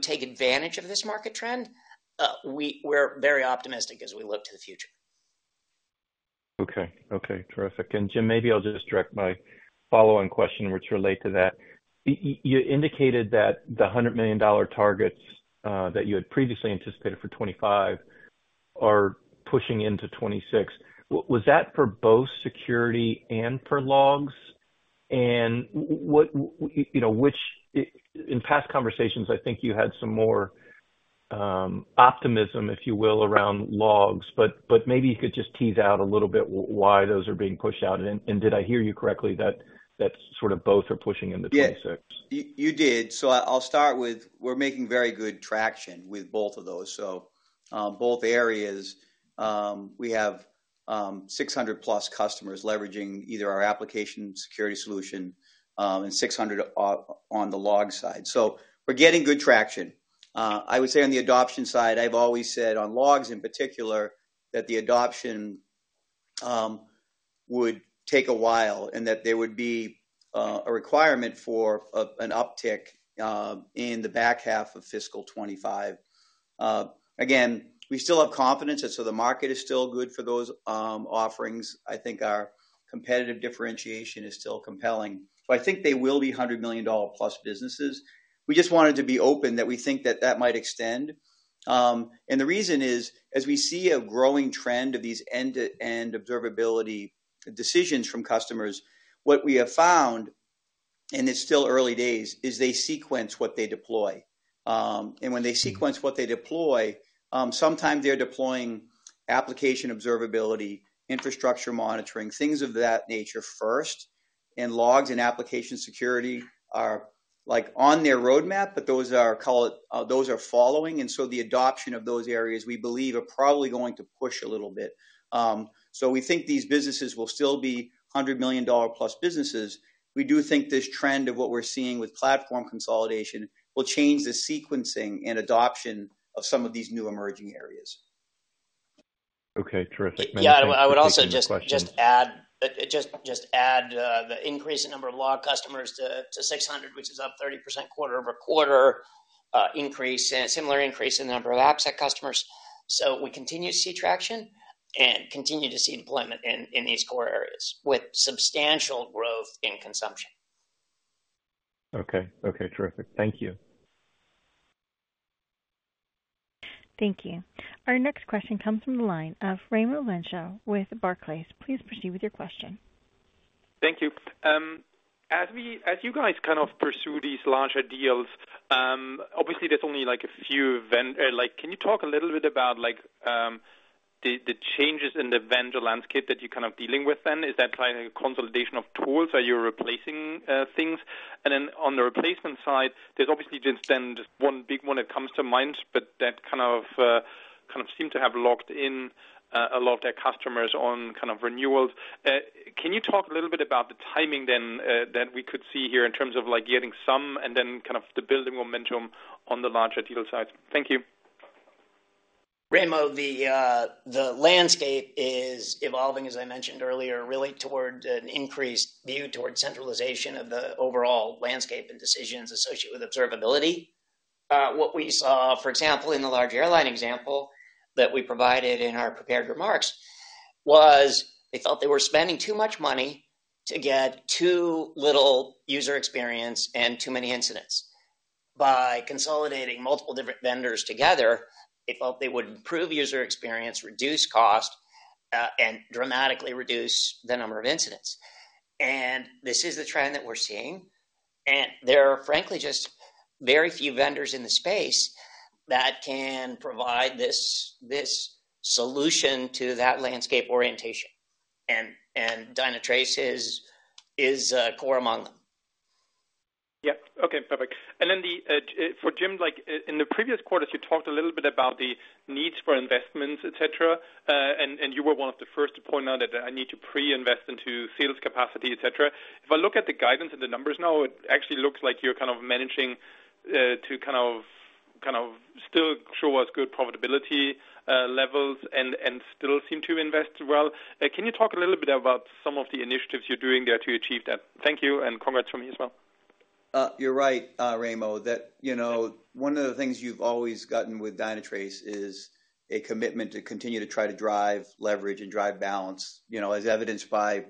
take advantage of this market trend, we're very optimistic as we look to the future. Okay. Okay, terrific. And Jim, maybe I'll just direct my follow-on question, which relate to that. You indicated that the $100 million targets that you had previously anticipated for 2025 are pushing into 2026. Was that for both security and for logs? And what, you know, which, in past conversations, I think you had some more optimism, if you will, around logs, but, but maybe you could just tease out a little bit why those are being pushed out. And, and did I hear you correctly, that, that sort of both are pushing into 2026? Yes, you did. So I'll start with, we're making very good traction with both of those. So both areas, we have 600+ customers leveraging either our application security solution and 600 on the log side. So we're getting good traction. I would say on the adoption side, I've always said on logs in particular, that the adoption would take a while, and that there would be a requirement for an uptick in the back half of fiscal 2025. Again, we still have confidence, and so the market is still good for those offerings. I think our competitive differentiation is still compelling, so I think they will be $100 million+ businesses. We just wanted to be open, that we think that that might extend. And the reason is, as we see a growing trend of these end-to-end observability decisions from customers, what we have found, and it's still early days, is they sequence what they deploy. And when they sequence what they deploy, sometimes they're deploying application observability, infrastructure monitoring, things of that nature first, and logs and application security are, like, on their roadmap, but those are, call it... Those are following, and so the adoption of those areas, we believe, are probably going to push a little bit. So we think these businesses will still be $100+ million plus businesses. We do think this trend of what we're seeing with platform consolidation will change the sequencing and adoption of some of these new emerging areas. Okay, terrific. Yeah, and I would also just add the increase in number of log customers to 600, which is up 30% quarter-over-quarter, increase and similar increase in the number of AppSec customers. So we continue to see traction and continue to see deployment in these core areas with substantial growth in consumption. Okay. Okay, terrific. Thank you. Thank you. Our next question comes from the line of Raimo Lenschow with Barclays. Please proceed with your question. Thank you. As you guys kind of pursue these larger deals, obviously, there's only like a few vendors, like, can you talk a little bit about, like, the changes in the vendor landscape that you're kind of dealing with then? Is that kind of consolidation of tools? Are you replacing, things? And then on the replacement side, there's obviously just then just one big one that comes to mind, but that kind of kind of seems to have locked in a lot of their customers on kind of renewals. Can you talk a little bit about the timing then that we could see here in terms of, like, getting some and then kind of the building momentum on the larger deal side? Thank you. Raimo, the landscape is evolving, as I mentioned earlier, really toward an increased view towards centralization of the overall landscape and decisions associated with observability. What we saw, for example, in the large airline example that we provided in our prepared remarks, was they felt they were spending too much money to get too little user experience and too many incidents. By consolidating multiple different vendors together, they felt they would improve user experience, reduce cost, and dramatically reduce the number of incidents. And this is the trend that we're seeing, and there are, frankly, just very few vendors in the space that can provide this solution to that landscape orientation. And Dynatrace is core among them. Yeah. Okay, perfect. And then the for Jim, like, in the previous quarters, you talked a little bit about the needs for investments, et cetera, and you were one of the first to point out that I need to pre-invest into sales capacity, et cetera. If I look at the guidance and the numbers now, it actually looks like you're kind of managing to kind of still show us good profitability levels and still seem to invest well. Can you talk a little bit about some of the initiatives you're doing there to achieve that? Thank you, and congrats from me as well. You're right, Raimo, that, you know, one of the things you've always gotten with Dynatrace is a commitment to continue to try to drive leverage and drive balance, you know, as evidenced by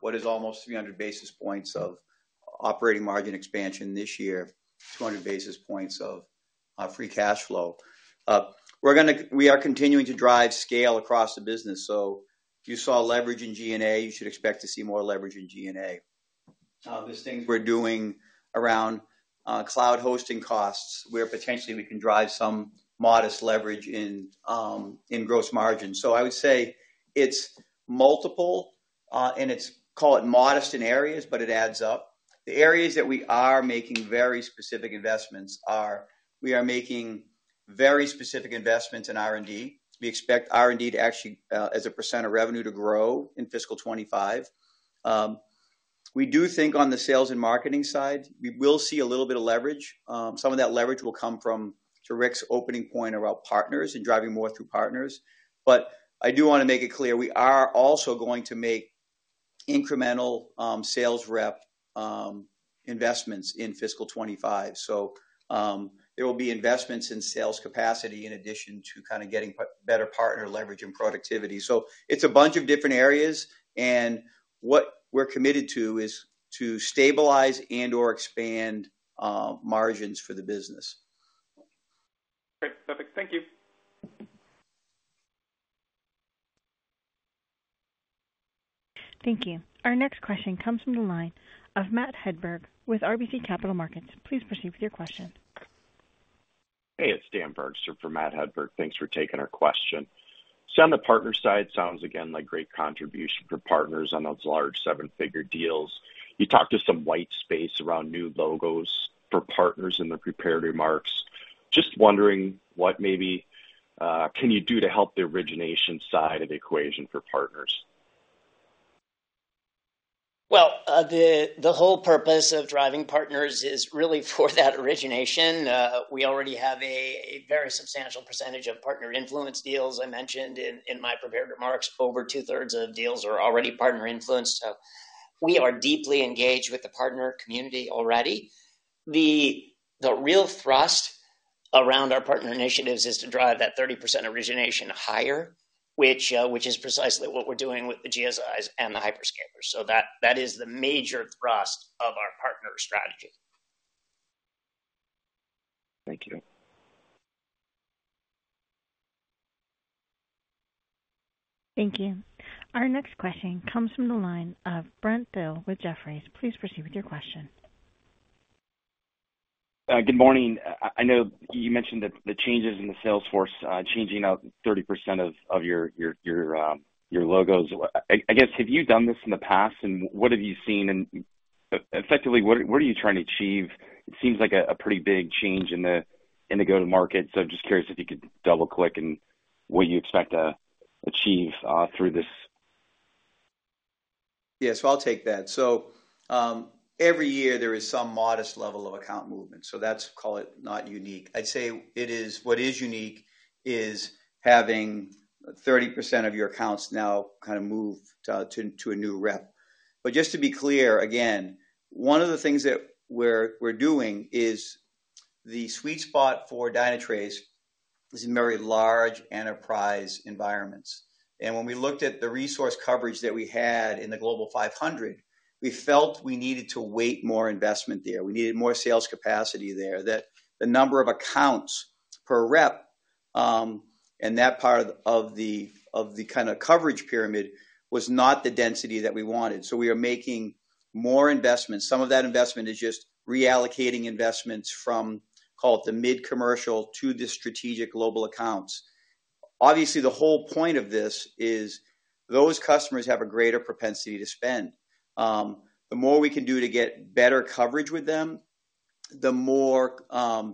what is almost 300 basis points of operating margin expansion this year, 200 basis points of free cash flow. We're gonna we are continuing to drive scale across the business. So if you saw leverage in G&A, you should expect to see more leverage in G&A. There's things we're doing around cloud hosting costs, where potentially we can drive some modest leverage in in gross margin. So I would say it's multiple, and it's, call it modest in areas, but it adds up. The areas that we are making very specific investments are, we are making very specific investments in R&D. We expect R&D to actually, as a percent of revenue, to grow in fiscal 2025. We do think on the sales and marketing side, we will see a little bit of leverage. Some of that leverage will come from, to Rick's opening point, around partners and driving more through partners. But I do want to make it clear, we are also going to make incremental, sales rep, investments in fiscal 2025. So, there will be investments in sales capacity in addition to kind of getting better partner leverage and productivity. So it's a bunch of different areas, and what we're committed to is to stabilize and/or expand, margins for the business. Great. Perfect. Thank you. Thank you. Our next question comes from the line of Matt Hedberg with RBC Capital Markets. Please proceed with your question. Hey, it's Dan Bergstrom for Matt Hedberg. Thanks for taking our question. So on the partner side, sounds again like great contribution for partners on those large seven-figure deals. You talked to some white space around new logos for partners in the prepared remarks. Just wondering, what maybe, can you do to help the origination side of the equation for partners? Well, the whole purpose of driving partners is really for that origination. We already have a very substantial percentage of partner influence deals. I mentioned in my prepared remarks, over two-thirds of deals are already partner influenced, so we are deeply engaged with the partner community already. The real thrust around our partner initiatives is to drive that 30% origination higher, which is precisely what we're doing with the GSIs and the hyperscalers. So that is the major thrust of our partner strategy. Thank you. Thank you. Our next question comes from the line of Brent Thill with Jefferies. Please proceed with your question. Good morning. I know you mentioned that the changes in the sales force, changing out 30% of your logos. I guess, have you done this in the past, and what have you seen? And effectively, what are you trying to achieve? It seems like a pretty big change in the go-to-market. So just curious if you could double-click on what you expect to achieve through this. Yes, I'll take that. So, every year there is some modest level of account movement, so that's, call it, not unique. I'd say it is—what is unique is having 30% of your accounts now kind of move to a new rep. But just to be clear, again, one of the things that we're doing is the sweet spot for Dynatrace is in very large enterprise environments. And when we looked at the resource coverage that we had in the Global 500, we felt we needed to weight more investment there. We needed more sales capacity there, that the number of accounts per rep and that part of the kind of coverage pyramid was not the density that we wanted. So we are making more investments. Some of that investment is just reallocating investments from, call it, the mid-commercial to the strategic global accounts. Obviously, the whole point of this is those customers have a greater propensity to spend. The more we can do to get better coverage with them, the more, I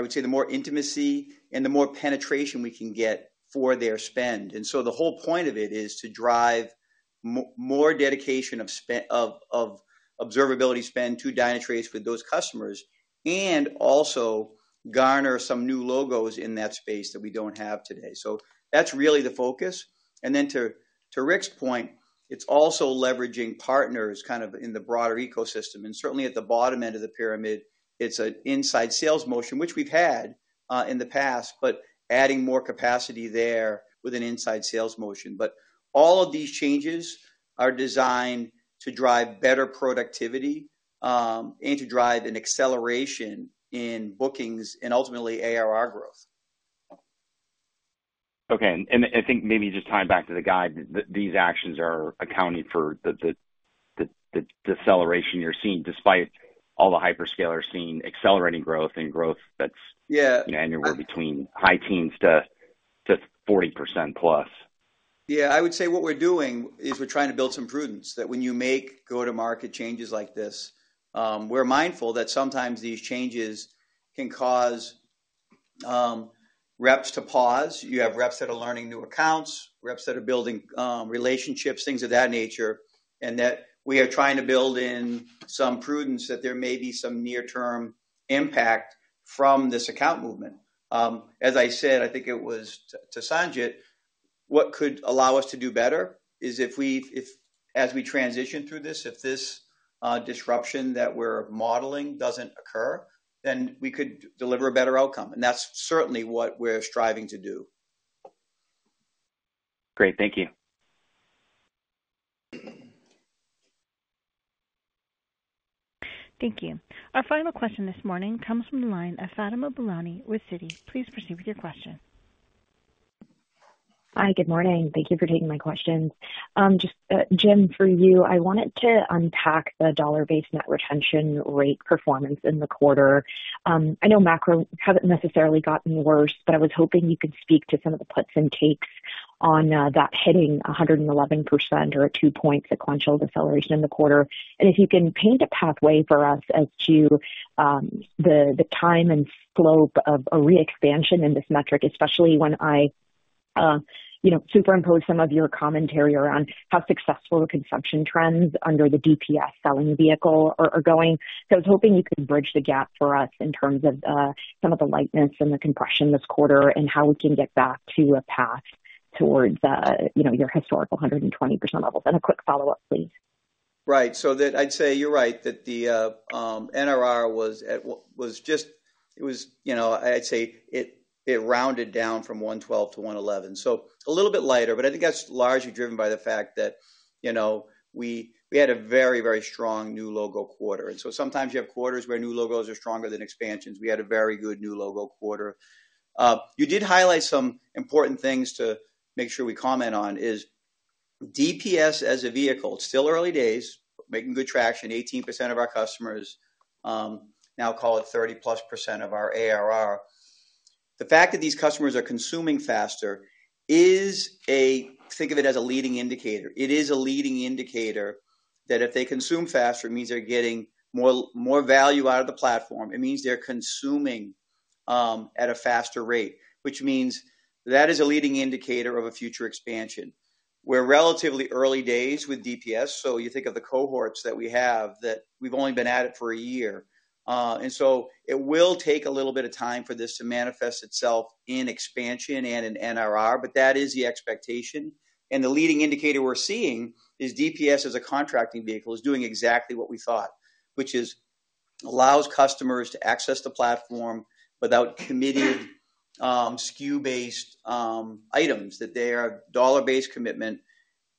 would say, the more intimacy and the more penetration we can get for their spend. And so the whole point of it is to drive more dedication of spend of observability spend to Dynatrace with those customers, and also garner some new logos in that space that we don't have today. So that's really the focus. And then to Rick's point, it's also leveraging partners kind of in the broader ecosystem. Certainly, at the bottom end of the pyramid, it's an inside sales motion, which we've had in the past, but adding more capacity there with an inside sales motion. All of these changes are designed to drive better productivity, and to drive an acceleration in bookings and ultimately ARR growth. Okay, and I think maybe just tying back to the guide, these actions are accounting for the deceleration you're seeing, despite all the hyperscalers seeing accelerating growth and growth that's- Yeah. -annually between high teens to +40%. Yeah. I would say what we're doing is we're trying to build some prudence that when you make go-to-market changes like this, we're mindful that sometimes these changes can cause, reps to pause. You have reps that are learning new accounts, reps that are building, relationships, things of that nature, and that we are trying to build in some prudence that there may be some near-term impact from this account movement. As I said, I think it was to Sanjit, what could allow us to do better is if we, if as we transition through this, if this disruption that we're modeling doesn't occur, then we could deliver a better outcome. And that's certainly what we're striving to do. Great. Thank you. Thank you. Our final question this morning comes from the line of Fatima Boolani with Citi. Please proceed with your question. Hi, good morning. Thank you for taking my questions. Just, Jim, for you, I wanted to unpack the dollar-based net retention rate performance in the quarter. I know macro haven't necessarily gotten worse, but I was hoping you could speak to some of the puts and takes on, that hitting 111% or a 2-point sequential deceleration in the quarter. And if you can paint a pathway for us as to, the time and slope of a re-expansion in this metric, especially when I, you know, superimpose some of your commentary around how successful the consumption trends under the DPS selling vehicle are going. I was hoping you could bridge the gap for us in terms of some of the lightness and the compression this quarter, and how we can get back to a path towards, you know, your historical 120% levels. A quick follow-up, please. Right. So that I'd say you're right, that the NRR was at... It was, you know, I'd say it, it rounded down from 112 to 111, so a little bit lighter. But I think that's largely driven by the fact that, you know, we had a very, very strong new logo quarter. And so sometimes you have quarters where new logos are stronger than expansions. We had a very good new logo quarter. You did highlight some important things to make sure we comment on, is DPS as a vehicle, it's still early days, making good traction. 18% of our customers now, call it +30% of our ARR. The fact that these customers are consuming faster is, think of it as a leading indicator. It is a leading indicator that if they consume faster, it means they're getting more, more value out of the platform. It means they're consuming, at a faster rate, which means that is a leading indicator of a future expansion. We're relatively early days with DPS, so you think of the cohorts that we have, that we've only been at it for a year. And so it will take a little bit of time for this to manifest itself in expansion and in NRR, but that is the expectation. And the leading indicator we're seeing is DPS, as a contracting vehicle, is doing exactly what we thought, which is allows customers to access the platform without committing, SKU-based, items, that they are a dollar-based commitment.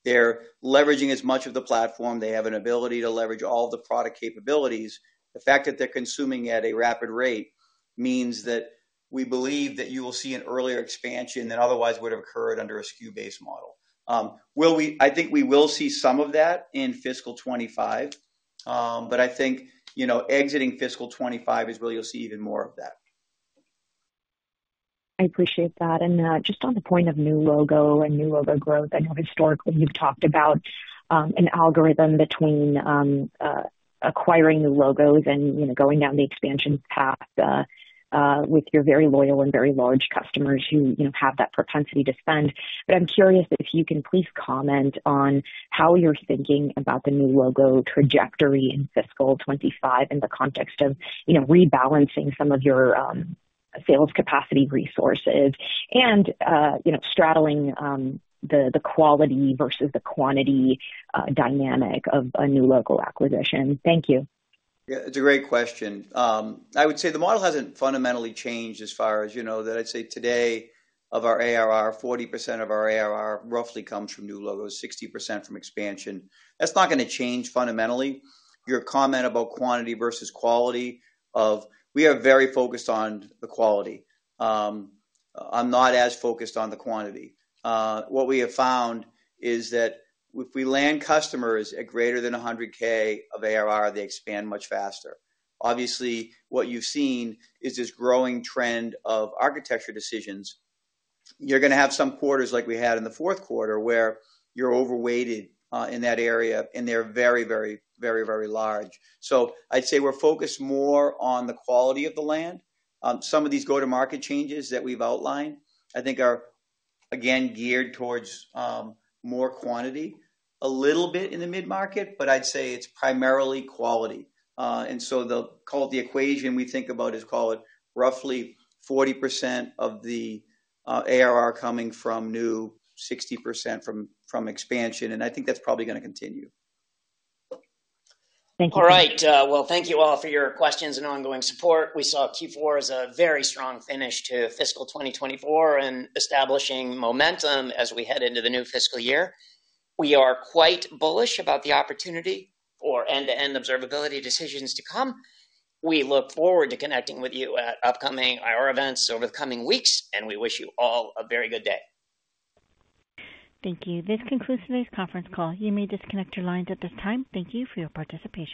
They're leveraging as much of the platform. They have an ability to leverage all the product capabilities. The fact that they're consuming at a rapid rate means that we believe that you will see an earlier expansion than otherwise would have occurred under a SKU-based model. I think we will see some of that in fiscal 2025, but I think, you know, exiting fiscal 2025 is where you'll see even more of that. I appreciate that. And, just on the point of new logo and new logo growth, I know historically you've talked about, an algorithm between, acquiring new logos and, you know, going down the expansion path, with your very loyal and very large customers who, you know, have that propensity to spend. But I'm curious if you can please comment on how you're thinking about the new logo trajectory in fiscal 2025, in the context of, you know, rebalancing some of your, sales capacity resources and, you know, straddling, the, the quality versus the quantity, dynamic of a new logo acquisition. Thank you. Yeah, it's a great question. I would say the model hasn't fundamentally changed as far as you know, that I'd say today, of our ARR, 40% of our ARR roughly comes from new logos, 60% from expansion. That's not gonna change fundamentally. Your comment about quantity versus quality, we are very focused on the quality. I'm not as focused on the quantity. What we have found is that if we land customers at greater than 100,000 of ARR, they expand much faster. Obviously, what you've seen is this growing trend of architecture decisions. You're gonna have some quarters, like we had in the fourth quarter, where you're overweighted in that area, and they're very, very, very, very large. So I'd say we're focused more on the quality of the land. Some of these go-to-market changes that we've outlined, I think are again geared towards more quantity a little bit in the mid-market, but I'd say it's primarily quality. And so the equation we think about is, call it, roughly 40% of the ARR coming from new, 60% from expansion, and I think that's probably gonna continue. Thank you. All right. Well, thank you all for your questions and ongoing support. We saw Q4 as a very strong finish to fiscal 2024 and establishing momentum as we head into the new fiscal year. We are quite bullish about the opportunity for end-to-end observability decisions to come. We look forward to connecting with you at upcoming IR events over the coming weeks, and we wish you all a very good day. Thank you. This concludes today's conference call. You may disconnect your lines at this time. Thank you for your participation.